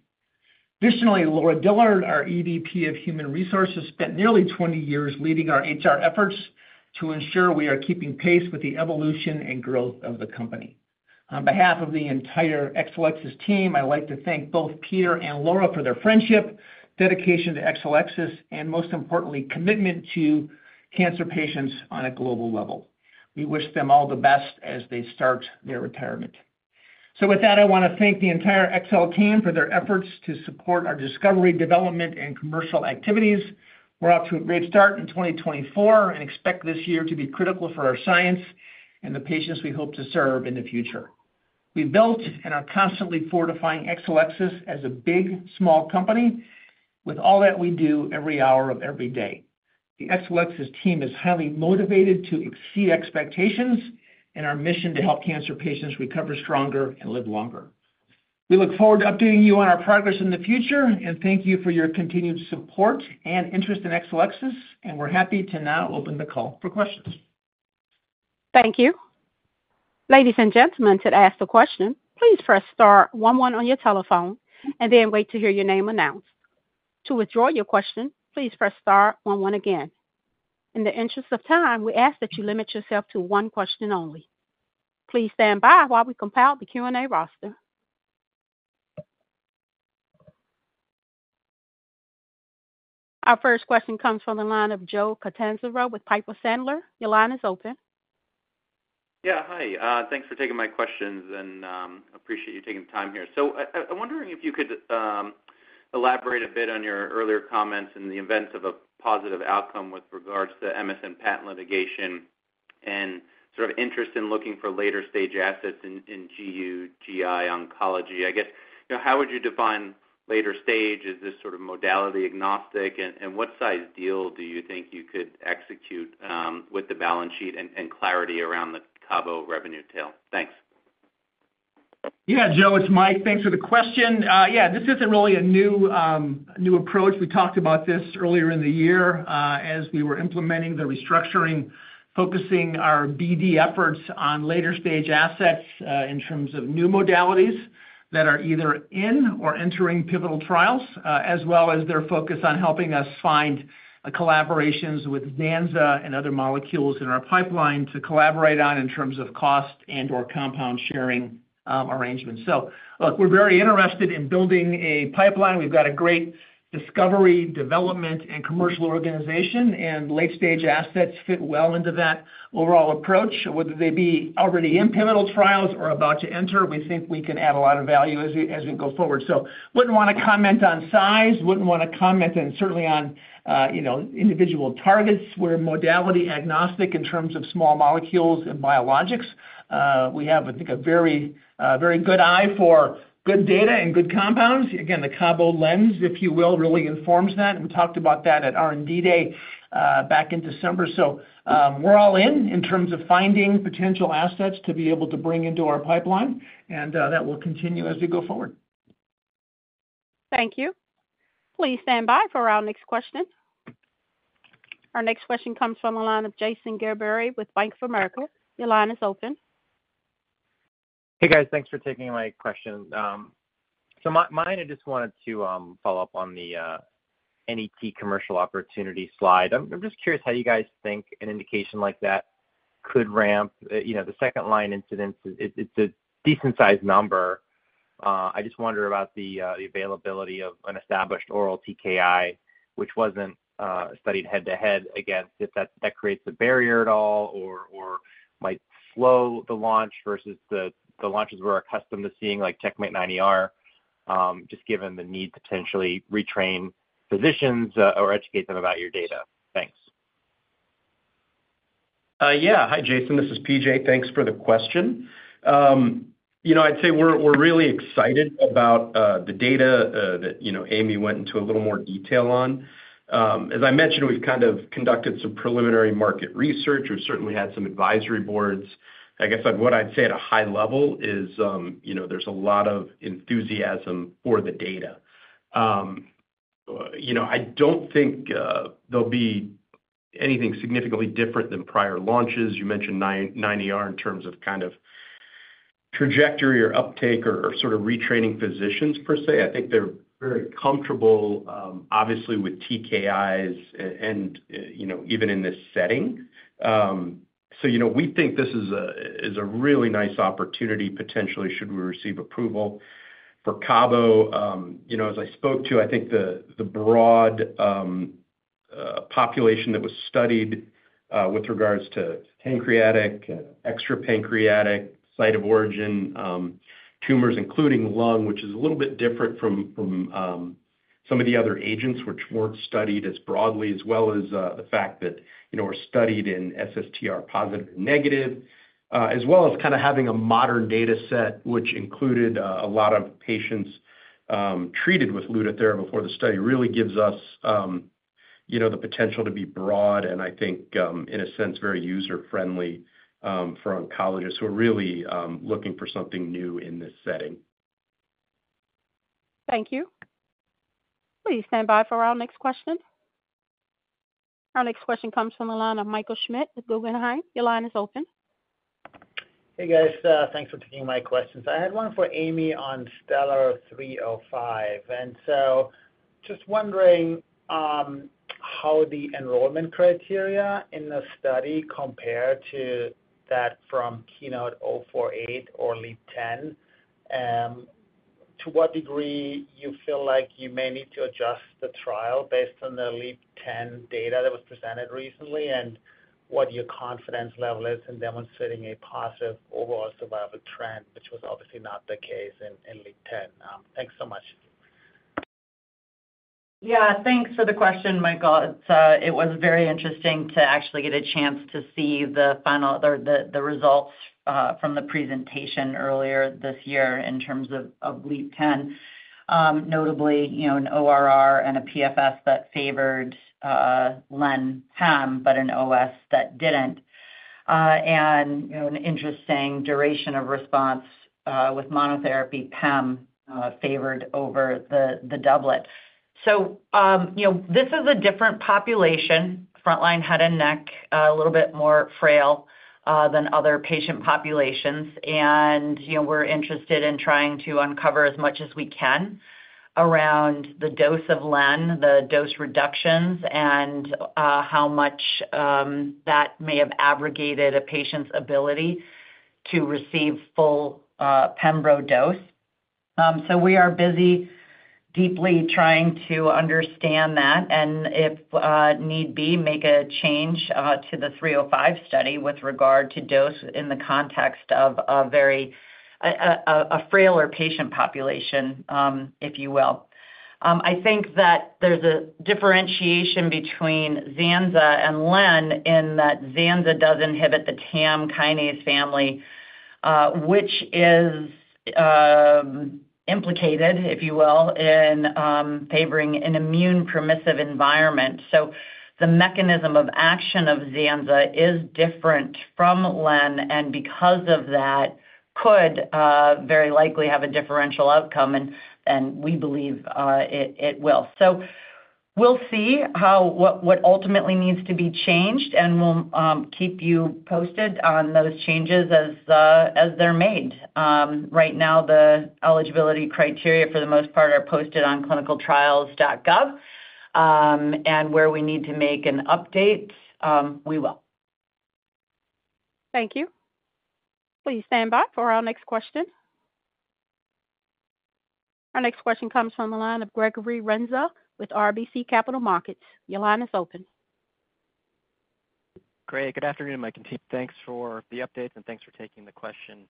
Additionally, Laura Dillard, our EVP of human resources, spent nearly 20 years leading our HR efforts to ensure we are keeping pace with the evolution and growth of the company. On behalf of the entire Exelixis team, I'd like to thank both Peter and Laura for their friendship, dedication to Exelixis, and most importantly, commitment to cancer patients on a global level. We wish them all the best as they start their retirement. With that, I want to thank the entire Exelixis team for their efforts to support our discovery, development, and commercial activities. We're off to a great start in 2024 and expect this year to be critical for our science and the patients we hope to serve in the future. We've built and are constantly fortifying Exelixis as a big, small company with all that we do every hour of every day. The Exelixis team is highly motivated to exceed expectations in our mission to help cancer patients recover stronger and live longer. We look forward to updating you on our progress in the future, and thank you for your continued support and interest in Exelixis, and we're happy to now open the call for questions. Thank you. Ladies and gentlemen, to ask a question, please press star one one on your telephone and then wait to hear your name announced. To withdraw your question, please press star one one again. In the interest of time, we ask that you limit yourself to one question only. Please stand by while we compile the Q&A roster. Our first question comes from the line of Joe Catanzaro with Piper Sandler. Your line is open. Yeah. Hi. Thanks for taking my questions, and appreciate you taking the time here. So I'm wondering if you could elaborate a bit on your earlier comments in the event of a positive outcome with regards to MSN patent litigation and sort of interest in looking for later stage assets in GU/GI oncology. I guess, how would you define later stage? Is this sort of modality agnostic? And what size deal do you think you could execute with the balance sheet and clarity around the Cabo revenue tail? Thanks. Yeah, Joe. It's Mike. Thanks for the question. Yeah, this isn't really a new approach. We talked about this earlier in the year as we were implementing the restructuring, focusing our BD efforts on later stage assets in terms of new modalities that are either in or entering pivotal trials, as well as their focus on helping us find collaborations with Zanza and other molecules in our pipeline to collaborate on in terms of cost and/or compound sharing arrangements. So look, we're very interested in building a pipeline. We've got a great discovery, development, and commercial organization, and late stage assets fit well into that overall approach. Whether they be already in pivotal trials or about to enter, we think we can add a lot of value as we go forward. So wouldn't want to comment on size, wouldn't want to comment, and certainly on individual targets. We're modality agnostic in terms of small molecules and biologics. We have, I think, a very good eye for good data and good compounds. Again, the Cabo lens, if you will, really informs that. We talked about that at R&D Day back in December. So we're all in in terms of finding potential assets to be able to bring into our pipeline, and that will continue as we go forward. Thank you. Please stand by for our next question. Our next question comes from the line of Jason Gerberry with Bank of America. Your line is open. Hey, guys. Thanks for taking my question. So mine, I just wanted to follow up on the NET commercial opportunity slide. I'm just curious how you guys think an indication like that could ramp the second-line incidence. It's a decent-sized number. I just wonder about the availability of an established oral TKI, which wasn't studied head-to-head against, if that creates a barrier at all or might slow the launch versus the launches we're accustomed to seeing, like CheckMate 9ER, just given the need to potentially retrain physicians or educate them about your data. Thanks. Yeah. Hi, Jason. This is P.J. Thanks for the question. I'd say we're really excited about the data that Amy went into a little more detail on. As I mentioned, we've kind of conducted some preliminary market research. We've certainly had some advisory boards. I guess what I'd say at a high level is there's a lot of enthusiasm for the data. I don't think there'll be anything significantly different than prior launches. You mentioned 9ER in terms of kind of trajectory or uptake or sort of retraining physicians, per se. I think they're very comfortable, obviously, with TKIs and even in this setting. So we think this is a really nice opportunity, potentially, should we receive approval. For Cabo, as I spoke to, I think the broad population that was studied with regards to pancreatic, extrapancreatic, site of origin tumors, including lung, which is a little bit different from some of the other agents, which weren't studied as broadly, as well as the fact that we're studied in SSTR positive and negative, as well as kind of having a modern dataset, which included a lot of patients treated with Lutathera before the study, really gives us the potential to be broad and, I think, in a sense, very user-friendly for oncologists who are really looking for something new in this setting. Thank you. Please stand by for our next question. Our next question comes from the line of Michael Schmidt at Guggenheim. Your line is open. Hey, guys. Thanks for taking my questions. I had one for Amy on STELLAR-305. So just wondering how the enrollment criteria in the study compare to that from KEYNOTE-048 or LEAP-010, to what degree you feel like you may need to adjust the trial based on the LEAP-010 data that was presented recently and what your confidence level is in demonstrating a positive overall survival trend, which was obviously not the case in LEAP-010. Thanks so much. Yeah. Thanks for the question, Michael. It was very interesting to actually get a chance to see the results from the presentation earlier this year in terms of LEAP-010, notably an ORR and a PFS that favored Len/Pem but an OS that didn't, and an interesting duration of response with monotherapy PEM favored over the doublet. This is a different population, frontline, head and neck, a little bit more frail than other patient populations. We're interested in trying to uncover as much as we can around the dose of Len, the dose reductions, and how much that may have abrogated a patient's ability to receive full PEM/BRO dose. We are busy deeply trying to understand that and, if need be, make a change to the 305 study with regard to dose in the context of a frailer patient population, if you will. I think that there's a differentiation between Zanza and Len in that Zanza does inhibit the TAM kinase family, which is implicated, if you will, in favoring an immune-permissive environment. So the mechanism of action of Zanza is different from Len, and because of that, could very likely have a differential outcome, and we believe it will. So we'll see what ultimately needs to be changed, and we'll keep you posted on those changes as they're made. Right now, the eligibility criteria, for the most part, are posted on clinicaltrials.gov. And where we need to make an update, we will. Thank you. Please stand by for our next question. Our next question comes from the line of Gregory Renza with RBC Capital Markets. Your line is open. Great. Good afternoon, Mike. And thanks for the updates, and thanks for taking the question.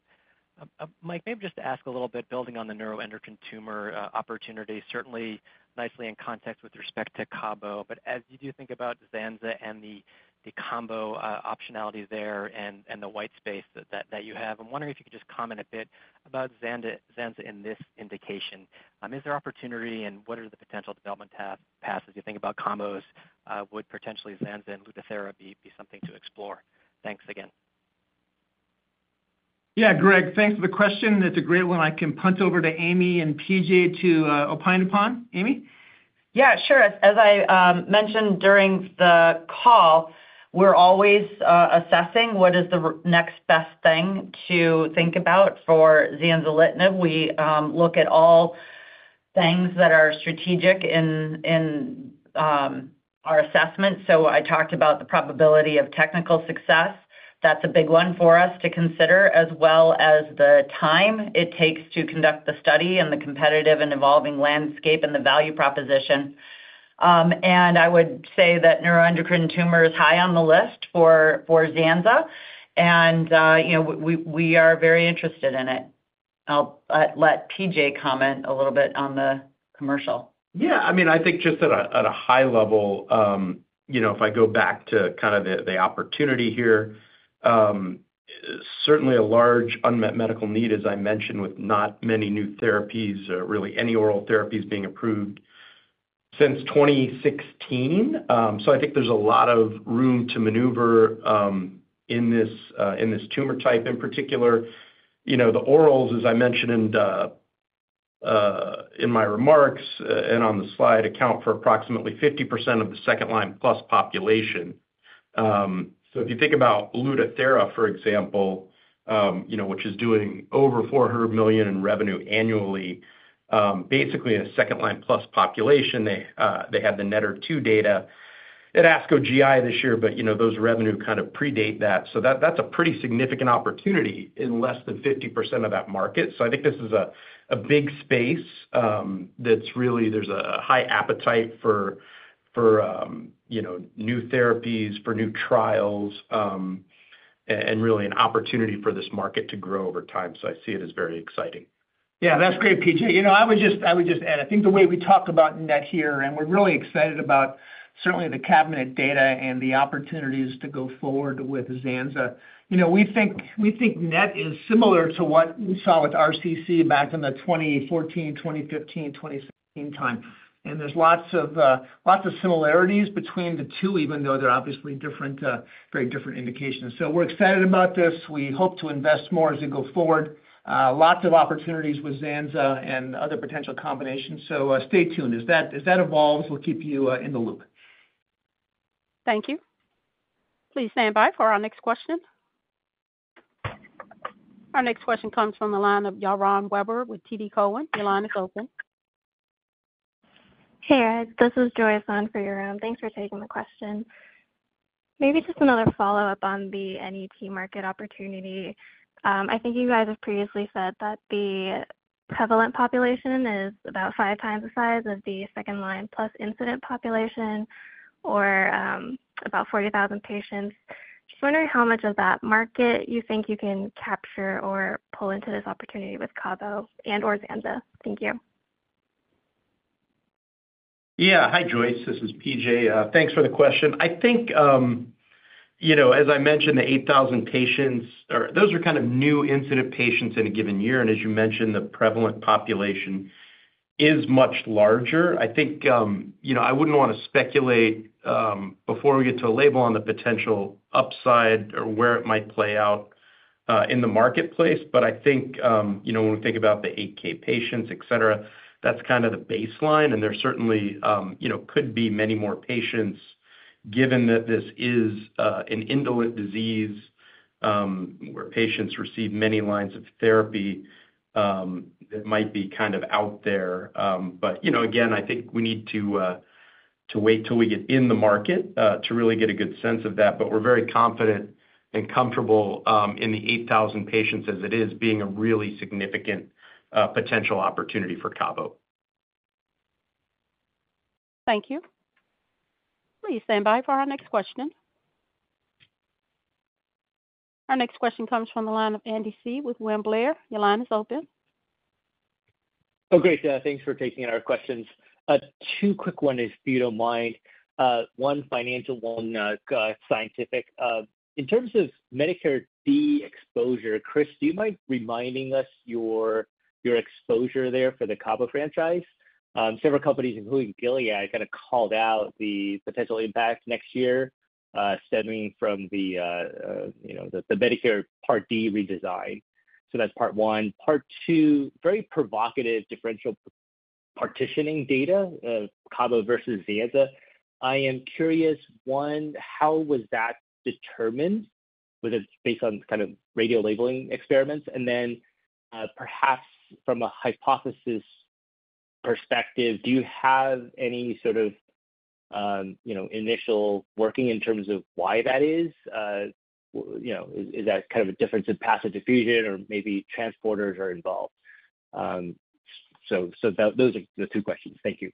Mike, maybe just to ask a little bit building on the neuroendocrine tumor opportunity, certainly nicely in context with respect to Cabo. But as you do think about Zanza and the combo optionality there and the white space that you have, I'm wondering if you could just comment a bit about Zanza in this indication. Is there opportunity, and what are the potential development paths? If you think about combos, would potentially Zanza and Lutathera be something to explore? Thanks again. Yeah, Greg. Thanks for the question. That's a great one. I can punt over to Amy and PJ to opine upon. Amy? Yeah, sure. As I mentioned during the call, we're always assessing what is the next best thing to think about for zanzalitinib. We look at all things that are strategic in our assessment. So I talked about the probability of technical success. That's a big one for us to consider, as well as the time it takes to conduct the study and the competitive and evolving landscape and the value proposition. I would say that neuroendocrine tumor is high on the list for Zanza, and we are very interested in it. I'll let PJ comment a little bit on the commercial. Yeah. I mean, I think just at a high level, if I go back to kind of the opportunity here, certainly a large unmet medical need, as I mentioned, with not many new therapies, really any oral therapies being approved since 2016. I think there's a lot of room to maneuver in this tumor type in particular. The orals, as I mentioned in my remarks and on the slide, account for approximately 50% of the second-line plus population. So if you think about Lutathera, for example, which is doing over $400 million in revenue annually, basically a second-line plus population, they had the NETTER-2 data at ASCO GI this year, but those revenue kind of predate that. So that's a pretty significant opportunity in less than 50% of that market. So I think this is a big space that's really there's a high appetite for new therapies, for new trials, and really an opportunity for this market to grow over time. So I see it as very exciting. Yeah, that's great, P.J. I would just add, I think the way we talk about NET here, and we're really excited about certainly the CABINET data and the opportunities to go forward with Zanza, we think NET is similar to what we saw with RCC back in the 2014, 2015, 2016 time. There's lots of similarities between the two, even though they're obviously very different indications. So we're excited about this. We hope to invest more as we go forward. Lots of opportunities with Zanza and other potential combinations. So stay tuned. As that evolves, we'll keep you in the loop. Thank you. Please stand by for our next question. Our next question comes from the line of Yaron Werber with TD Cowen. Your line is open. Hey, guys. This is Joyce Zhou for Yaron. Thanks for taking the question. Maybe just another follow-up on the NET market opportunity. I think you guys have previously said that the prevalent population is about five times the size of the second-line plus incident population or about 40,000 patients. Just wondering how much of that market you think you can capture or pull into this opportunity with Cabo and/or Zanza. Thank you. Yeah. Hi, Joyce. This is P.J. Thanks for the question. I think, as I mentioned, the 8,000 patients, those are kind of new incident patients in a given year. And as you mentioned, the prevalent population is much larger. I think I wouldn't want to speculate before we get to a label on the potential upside or where it might play out in the marketplace. But I think when we think about the 8,000 patients, etc., that's kind of the baseline. And there certainly could be many more patients given that this is an indolent disease where patients receive many lines of therapy that might be kind of out there. But again, I think we need to wait till we get in the market to really get a good sense of that. But we're very confident and comfortable in the 8,000 patients as it is being a really significant potential opportunity for Cabo. Thank you. Please stand by for our next question. Our next question comes from the line of Andy Hsieh with William Blair. Your line is open. Oh, great. Thanks for taking our questions. Two quick ones, if you don't mind. One, financial, one, scientific. In terms of Medicare Part D exposure, Chris, do you mind reminding us your exposure there for the Cabo franchise? Several companies, including Gilead, kind of called out the potential impact next year stemming from the Medicare Part D redesign. So that's part one. Part two, very provocative differential partitioning data, Cabo versus Zanza. I am curious, one, how was that determined? Was it based on kind of radio labeling experiments? And then perhaps from a hypothesis perspective, do you have any sort of initial working in terms of why that is? Is that kind of a difference in passive diffusion, or maybe transporters are involved? So those are the two questions. Thank you.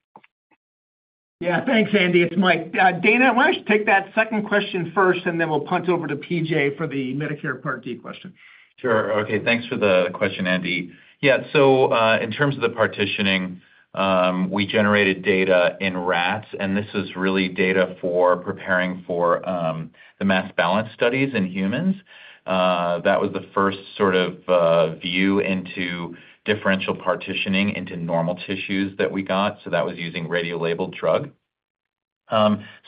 Yeah, thanks, Andy. It's Mike. Dana, why don't you take that second question first, and then we'll punt over to P.J. for the Medicare Part D question. Sure. Okay. Thanks for the question, Andy. Yeah. So in terms of the partitioning, we generated data in rats. And this was really data for preparing for the mass balance studies in humans. That was the first sort of view into differential partitioning into normal tissues that we got. So that was using radio-labeled drug. So,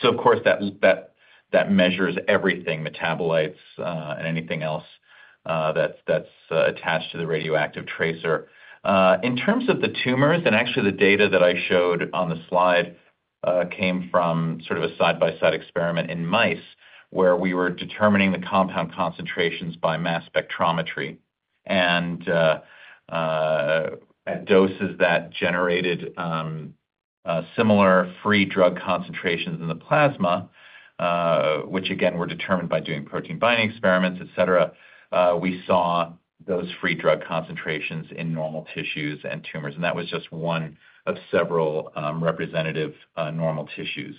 of course, that measures everything, metabolites, and anything else that's attached to the radioactive tracer. In terms of the tumors, and actually, the data that I showed on the slide came from sort of a side-by-side experiment in mice where we were determining the compound concentrations by mass spectrometry. At doses that generated similar free drug concentrations in the plasma, which, again, were determined by doing protein binding experiments, etc., we saw those free drug concentrations in normal tissues and tumors. That was just one of several representative normal tissues.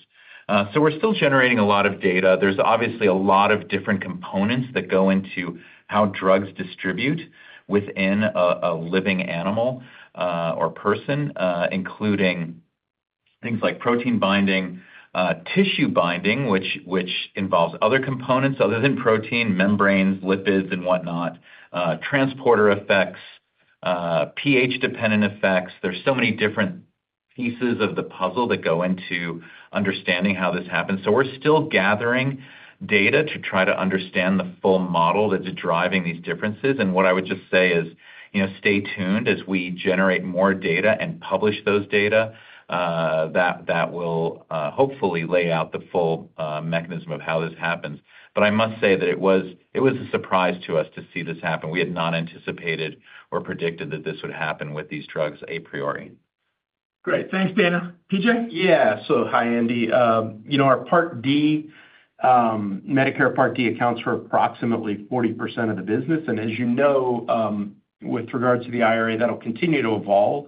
So we're still generating a lot of data. There's obviously a lot of different components that go into how drugs distribute within a living animal or person, including things like protein binding, tissue binding, which involves other components other than protein, membranes, lipids, and whatnot, transporter effects, pH-dependent effects. There's so many different pieces of the puzzle that go into understanding how this happens. We're still gathering data to try to understand the full model that's driving these differences. What I would just say is stay tuned as we generate more data and publish those data that will hopefully lay out the full mechanism of how this happens. But I must say that it was a surprise to us to see this happen. We had not anticipated or predicted that this would happen with these drugs a priori. Great. Thanks, Dana. P.J.? Yeah. Hi, Andy. Our Medicare Part D accounts for approximately 40% of the business. As you know, with regards to the IRA, that'll continue to evolve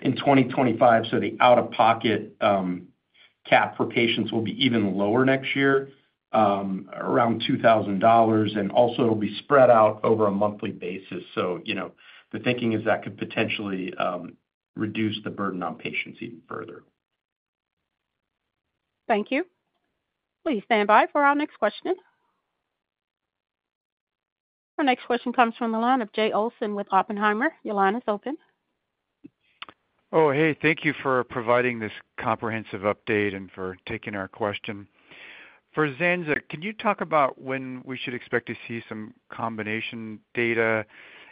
in 2025. The out-of-pocket cap for patients will be even lower next year, around $2,000. Also, it'll be spread out over a monthly basis. The thinking is that could potentially reduce the burden on patients even further. Thank you. Please stand by for our next question. Our next question comes from the line of Jay Olson with Oppenheimer. Your line is open. Oh, hey. Thank you for providing this comprehensive update and for taking our question. For Zanza, can you talk about when we should expect to see some combination data?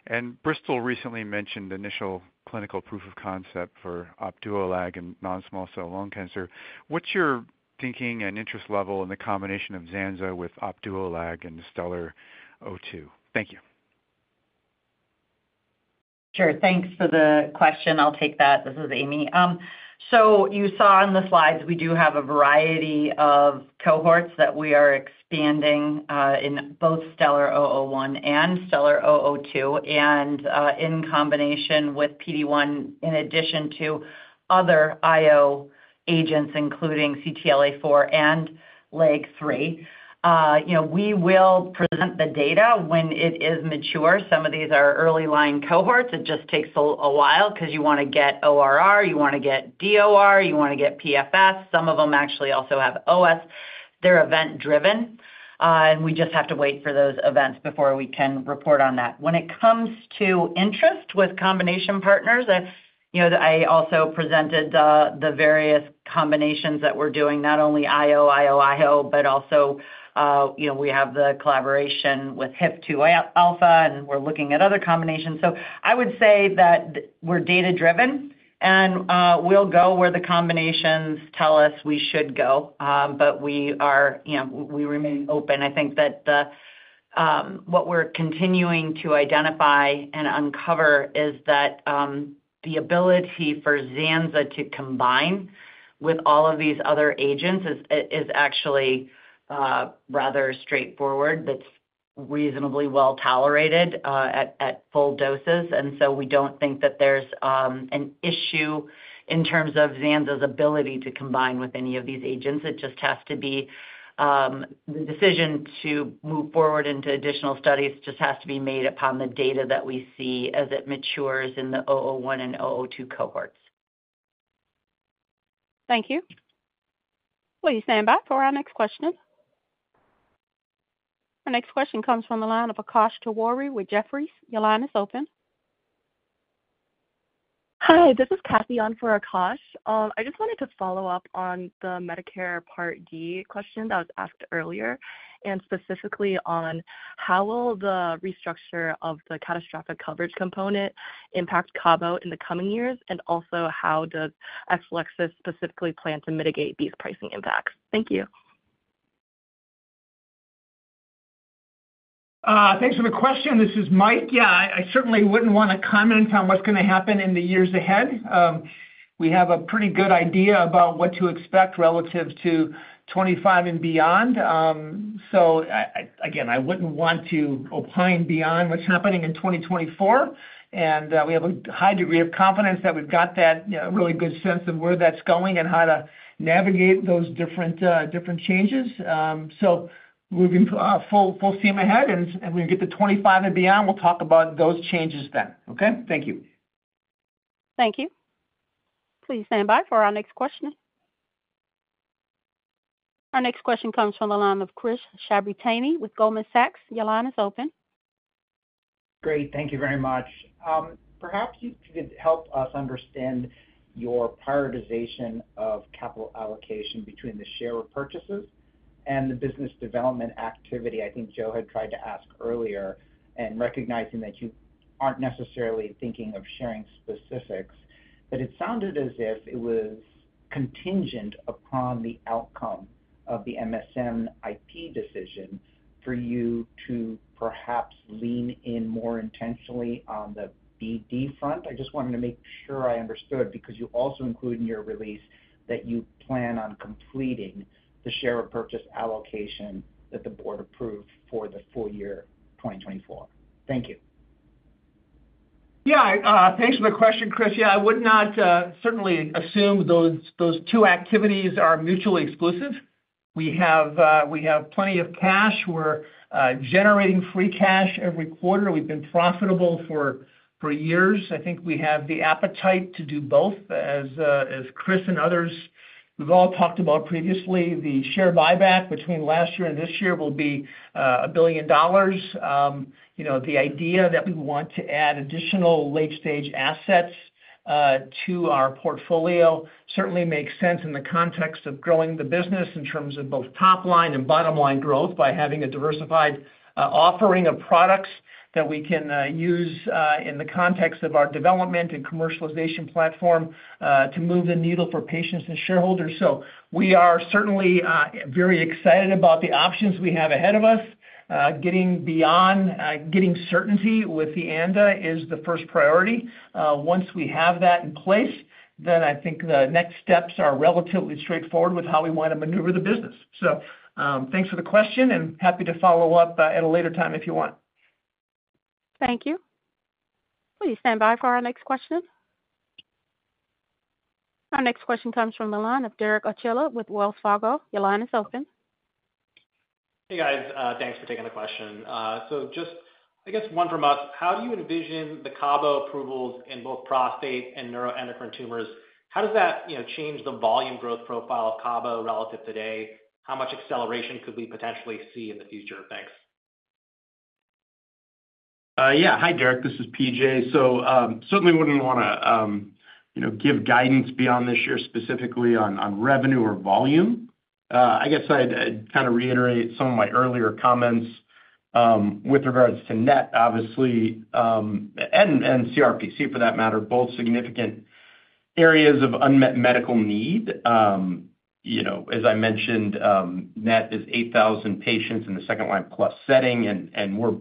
And Bristol recently mentioned initial clinical proof of concept for Opdualag and non-small cell lung cancer. What's your thinking and interest level in the combination of Zanza with Opdualag and STELLAR-302? Thank you. Sure. Thanks for the question. I'll take that. This is Amy. So you saw on the slides, we do have a variety of cohorts that we are expanding in both STELLAR-001 and STELLAR-002. And in combination with PD-1, in addition to other IO agents, including CTLA-4 and LAG-3, we will present the data when it is mature. Some of these are early-line cohorts. It just takes a while because you want to get ORR. You want to get DOR. You want to get PFS. Some of them actually also have OS. They're event-driven. And we just have to wait for those events before we can report on that. When it comes to interest with combination partners, I also presented the various combinations that we're doing, not only IO, IO, IO, but also we have the collaboration with HIF-2α, and we're looking at other combinations. So I would say that we're data-driven, and we'll go where the combinations tell us we should go. But we remain open. I think that what we're continuing to identify and uncover is that the ability for Zanza to combine with all of these other agents is actually rather straightforward. That's reasonably well-tolerated at full doses. We don't think that there's an issue in terms of Zanza's ability to combine with any of these agents. It just has to be the decision to move forward into additional studies just has to be made upon the data that we see as it matures in the 001 and 002 cohorts. Thank you. Please stand by for our next question. Our next question comes from the line of Akash Tewari with Jefferies. Your line is open. Hi. This is Kathy on for Akash. I just wanted to follow up on the Medicare Part D question that was asked earlier, and specifically on how will the restructure of the catastrophic coverage component impact Cabo in the coming years, and also how does Exelixis specifically plan to mitigate these pricing impacts? Thank you. Thanks for the question. This is Mike. Yeah, I certainly wouldn't want to comment on what's going to happen in the years ahead. We have a pretty good idea about what to expect relative to 2025 and beyond. So again, I wouldn't want to opine beyond what's happening in 2024. And we have a high degree of confidence that we've got that really good sense of where that's going and how to navigate those different changes. So we're full steam ahead. And when we get to 2025 and beyond, we'll talk about those changes then. Okay? Thank you. Thank you. Please stand by for our next question. Our next question comes from the line of Chris Shibutani with Goldman Sachs. Your line is open. Great. Thank you very much. Perhaps you could help us understand your prioritization of capital allocation between the share repurchases and the business development activity. I think Joe had tried to ask earlier. Recognizing that you aren't necessarily thinking of sharing specifics, but it sounded as if it was contingent upon the outcome of the MSN IP decision for you to perhaps lean in more intentionally on the BD front. I just wanted to make sure I understood because you also include in your release that you plan on completing the share repurchase allocation that the board approved for the full year 2024. Thank you. Yeah. Thanks for the question, Chris. Yeah, I would not certainly assume those two activities are mutually exclusive. We have plenty of cash. We're generating free cash every quarter. We've been profitable for years. I think we have the appetite to do both, as Chris and others we've all talked about previously. The share buyback between last year and this year will be $1 billion. The idea that we want to add additional late-stage assets to our portfolio certainly makes sense in the context of growing the business in terms of both top-line and bottom-line growth by having a diversified offering of products that we can use in the context of our development and commercialization platform to move the needle for patients and shareholders. So we are certainly very excited about the options we have ahead of us. Getting beyond getting certainty with the ANDA is the first priority. Once we have that in place, then I think the next steps are relatively straightforward with how we want to maneuver the business. So thanks for the question, and happy to follow up at a later time if you want. Thank you. Please stand by for our next question. Our next question comes from the line of Derek Archila with Wells Fargo. Your line is open. Hey, guys. Thanks for taking the question. So just, I guess, one from us. How do you envision the Cabo approvals in both prostate and neuroendocrine tumors? How does that change the volume growth profile of Cabo relative today? How much acceleration could we potentially see in the future? Thanks. Yeah. Hi, Derek. This is PJ. So certainly wouldn't want to give guidance beyond this year specifically on revenue or volume. I guess I'd kind of reiterate some of my earlier comments with regards to NET, obviously, and CRPC for that matter, both significant areas of unmet medical need. As I mentioned, NET is 8,000 patients in the second-line plus setting. And more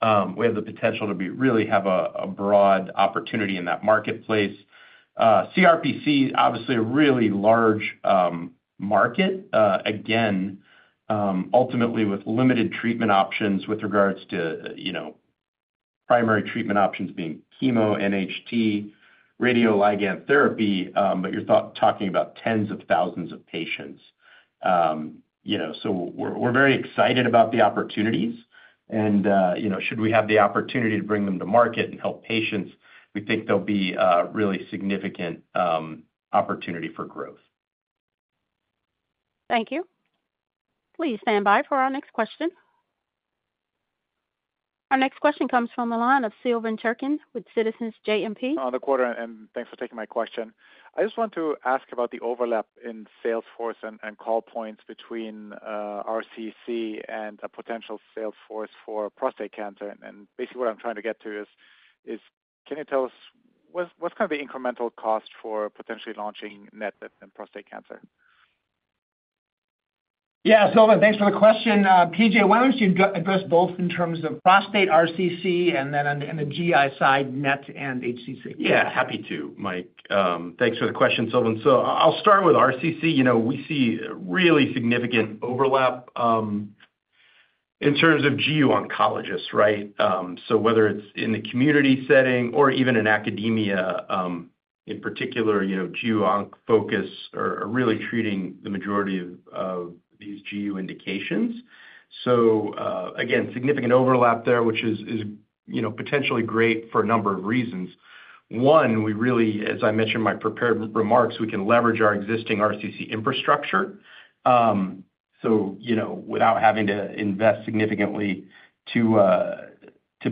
broadly, we have the potential to really have a broad opportunity in that marketplace. CRPC, obviously, a really large market, again, ultimately with limited treatment options with regards to primary treatment options being chemo, NHT, radioligand therapy, but you're talking about tens of thousands of patients. So we're very excited about the opportunities. And should we have the opportunity to bring them to market and help patients, we think there'll be a really significant opportunity for growth. Thank you. Please stand by for our next question. Our next question comes from the line of Silvan Tuerkcan with Citizens JMP. On the quarter. And thanks for taking my question. I just want to ask about the overlap in sales force and call points between RCC and a potential sales force for prostate cancer. And basically, what I'm trying to get to is, can you tell us what's kind of the incremental cost for potentially launching NET in prostate cancer? Yeah. Silvan, thanks for the question. P.J., why don't you address both in terms of prostate, RCC, and then on the GI side, NET and HCC? Yeah. Happy to, Mike. Thanks for the question, Silvan. So I'll start with RCC. We see really significant overlap in terms of GU oncologists, right? So whether it's in the community setting or even in academia, in particular, GU oncologists are really treating the majority of these GU indications. So again, significant overlap there, which is potentially great for a number of reasons. One, we really, as I mentioned in my prepared remarks, we can leverage our existing RCC infrastructure without having to invest significantly to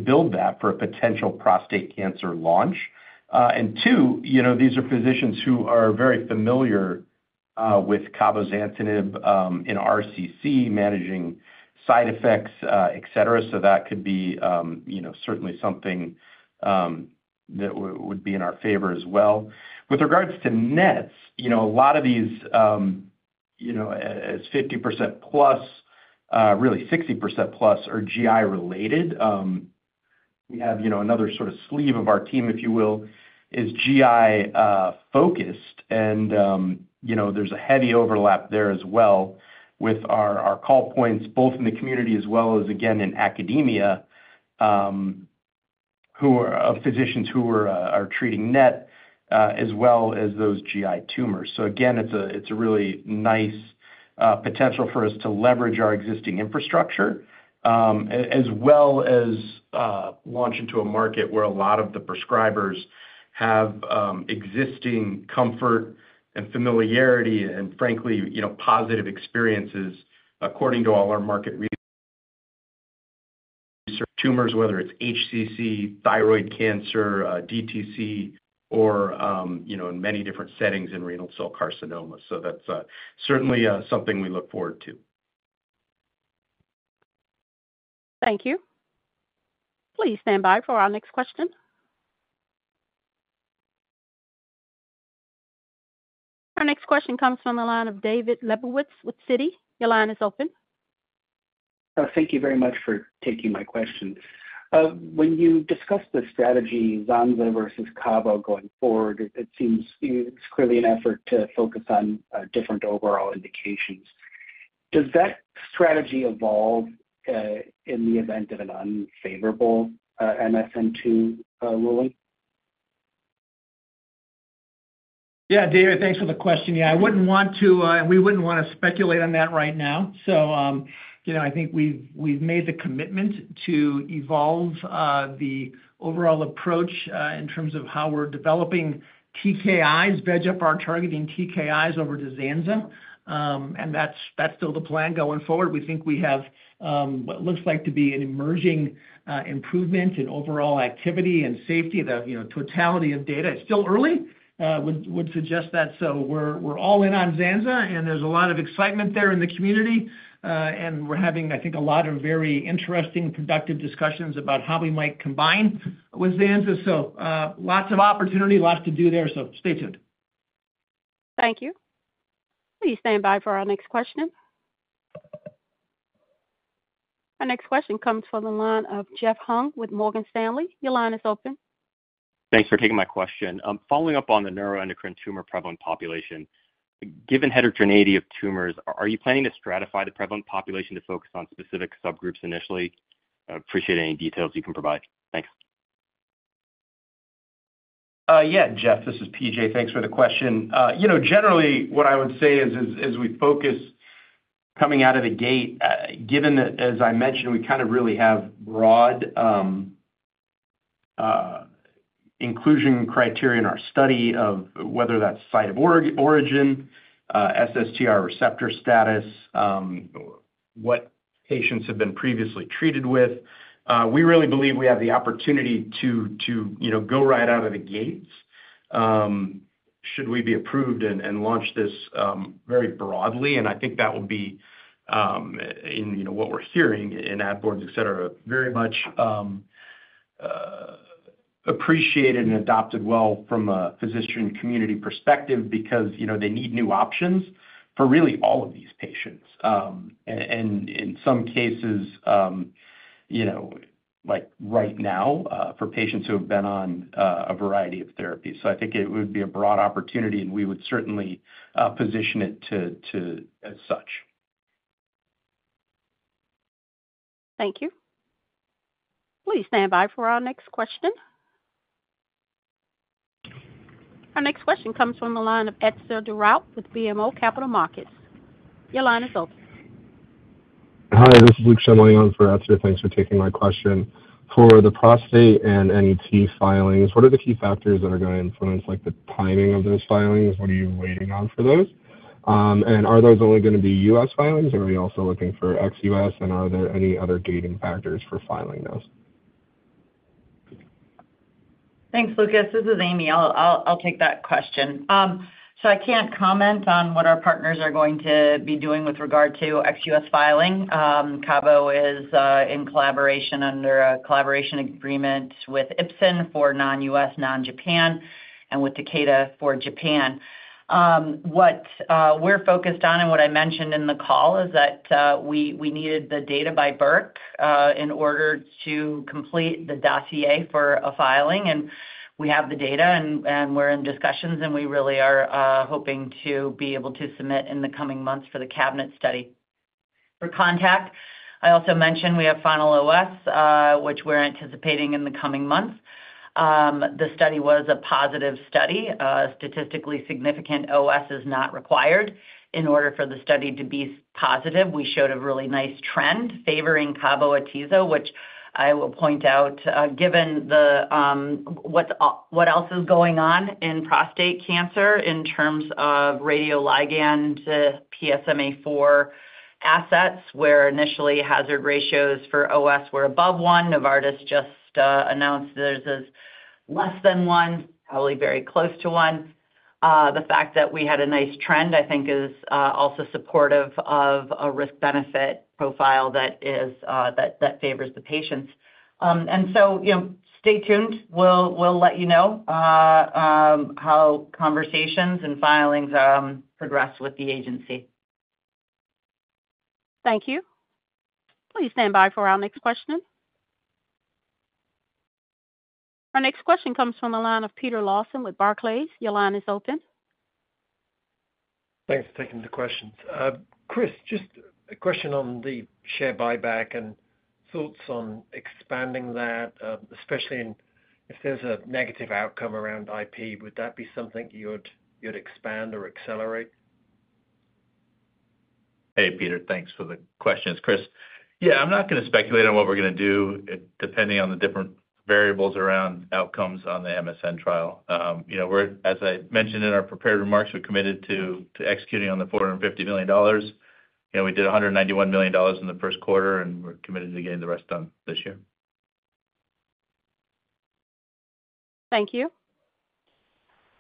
build that for a potential prostate cancer launch. And two, these are physicians who are very familiar with Cabozantinib in RCC, managing side effects, etc. So that could be certainly something that would be in our favor as well. With regards to NETs, a lot of these, as 50%+, really 60%+, are GI-related. We have another sort of sleeve of our team, if you will, is GI-focused. And there's a heavy overlap there as well with our call points, both in the community as well as, again, in academia, of physicians who are treating NET as well as those GI tumors. So again, it's a really nice potential for us to leverage our existing infrastructure as well as launch into a market where a lot of the prescribers have existing comfort and familiarity and, frankly, positive experiences according to all our market research. Tumors, whether it's HCC, thyroid cancer, DTC, or in many different settings in renal cell carcinoma. So that's certainly something we look forward to. Thank you. Please stand by for our next question. Our next question comes from the line of David Lebowitz with Citi. Your line is open. Thank you very much for taking my question. When you discuss the strategy, Zanza versus Cabo going forward, it seems it's clearly an effort to focus on different overall indications. Does that strategy evolve in the event of an unfavorable MSN ruling? Yeah, David, thanks for the question. Yeah, I wouldn't want to and we wouldn't want to speculate on that right now. So I think we've made the commitment to evolve the overall approach in terms of how we're developing TKIs, VEGFR targeting TKIs over to Zanza. And that's still the plan going forward. We think we have what looks like to be an emerging improvement in overall activity and safety, the totality of data. It's still early, would suggest that. So we're all in on Zanza. There's a lot of excitement there in the community. We're having, I think, a lot of very interesting, productive discussions about how we might combine with Zanza. Lots of opportunity, lots to do there. Stay tuned. Thank you. Please stand by for our next question. Our next question comes from the line of Jeff Hung with Morgan Stanley. Your line is open. Thanks for taking my question. Following up on the neuroendocrine tumor prevalent population, given heterogeneity of tumors, are you planning to stratify the prevalent population to focus on specific subgroups initially? Appreciate any details you can provide. Thanks. Yeah, Jeff. This is P.J. Thanks for the question. Generally, what I would say is as we focus coming out of the gate, given that, as I mentioned, we kind of really have broad inclusion criteria in our study of whether that's site of origin, SSTR receptor status, what patients have been previously treated with, we really believe we have the opportunity to go right out of the gates should we be approved and launch this very broadly. And I think that will be, in what we're hearing in ad boards, etc., very much appreciated and adopted well from a physician community perspective because they need new options for really all of these patients. And in some cases, like right now, for patients who have been on a variety of therapies. So I think it would be a broad opportunity, and we would certainly position it as such. Thank you. Please stand by for our next question. Our next question comes from the line of Etzer Darout with BMO Capital Markets. Your line is open. Hi. This is Luke Herrmann for Etzer. Thanks for taking my question. For the prostate and NET filings, what are the key factors that are going to influence the timing of those filings? What are you waiting on for those? And are those only going to be U.S. filings, or are you also looking for ex-U.S.? And are there any other dating factors for filing those? Thanks. Luke, this is Amy. I'll take that question. So I can't comment on what our partners are going to be doing with regard to ex-U.S. filing. Cabo is in collaboration under a collaboration agreement with Ipsen for non-U.S., non-Japan, and with Takeda for Japan. What we're focused on, and what I mentioned in the call, is that we needed the data by BIRC in order to complete the dossier for a filing. And we have the data, and we're in discussions, and we really are hoping to be able to submit in the coming months for the CABINET study. For CONTACT-02, I also mentioned we have final OS, which we're anticipating in the coming months. The study was a positive study. Statistically significant OS is not required. In order for the study to be positive, we showed a really nice trend favoring cabo + atezo, which I will point out, given what else is going on in prostate cancer in terms of radioligand to PSMA assets, where initially hazard ratios for OS were above one. Novartis just announced there's less than one, probably very close to one. The fact that we had a nice trend, I think, is also supportive of a risk-benefit profile that favors the patients. And so stay tuned. We'll let you know how conversations and filings progress with the agency. Thank you. Please stand by for our next question. Our next question comes from the line of Peter Lawson with Barclays. Your line is open. Thanks for taking the questions. Chris, just a question on the share buyback and thoughts on expanding that, especially if there's a negative outcome around IP. Would that be something you'd expand or accelerate? Hey, Peter. Thanks for the questions, Chris. Yeah, I'm not going to speculate on what we're going to do depending on the different variables around outcomes on the MSN trial. As I mentioned in our prepared remarks, we're committed to executing on the $450 million. We did $191 million in the first quarter, and we're committed to getting the rest done this year. Thank you.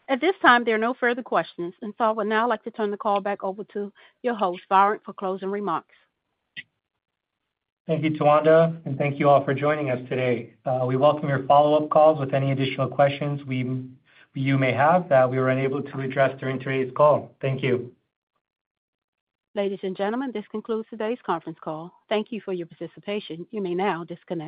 At this time, there are no further questions. So I would now like to turn the call back over to your host, Varant, for closing remarks. Thank you, Tawanda, and thank you all for joining us today. We welcome your follow-up calls with any additional questions you may have that we were unable to address during today's call. Thank you. Ladies and gentlemen, this concludes today's conference call. Thank you for your participation. You may now disconnect.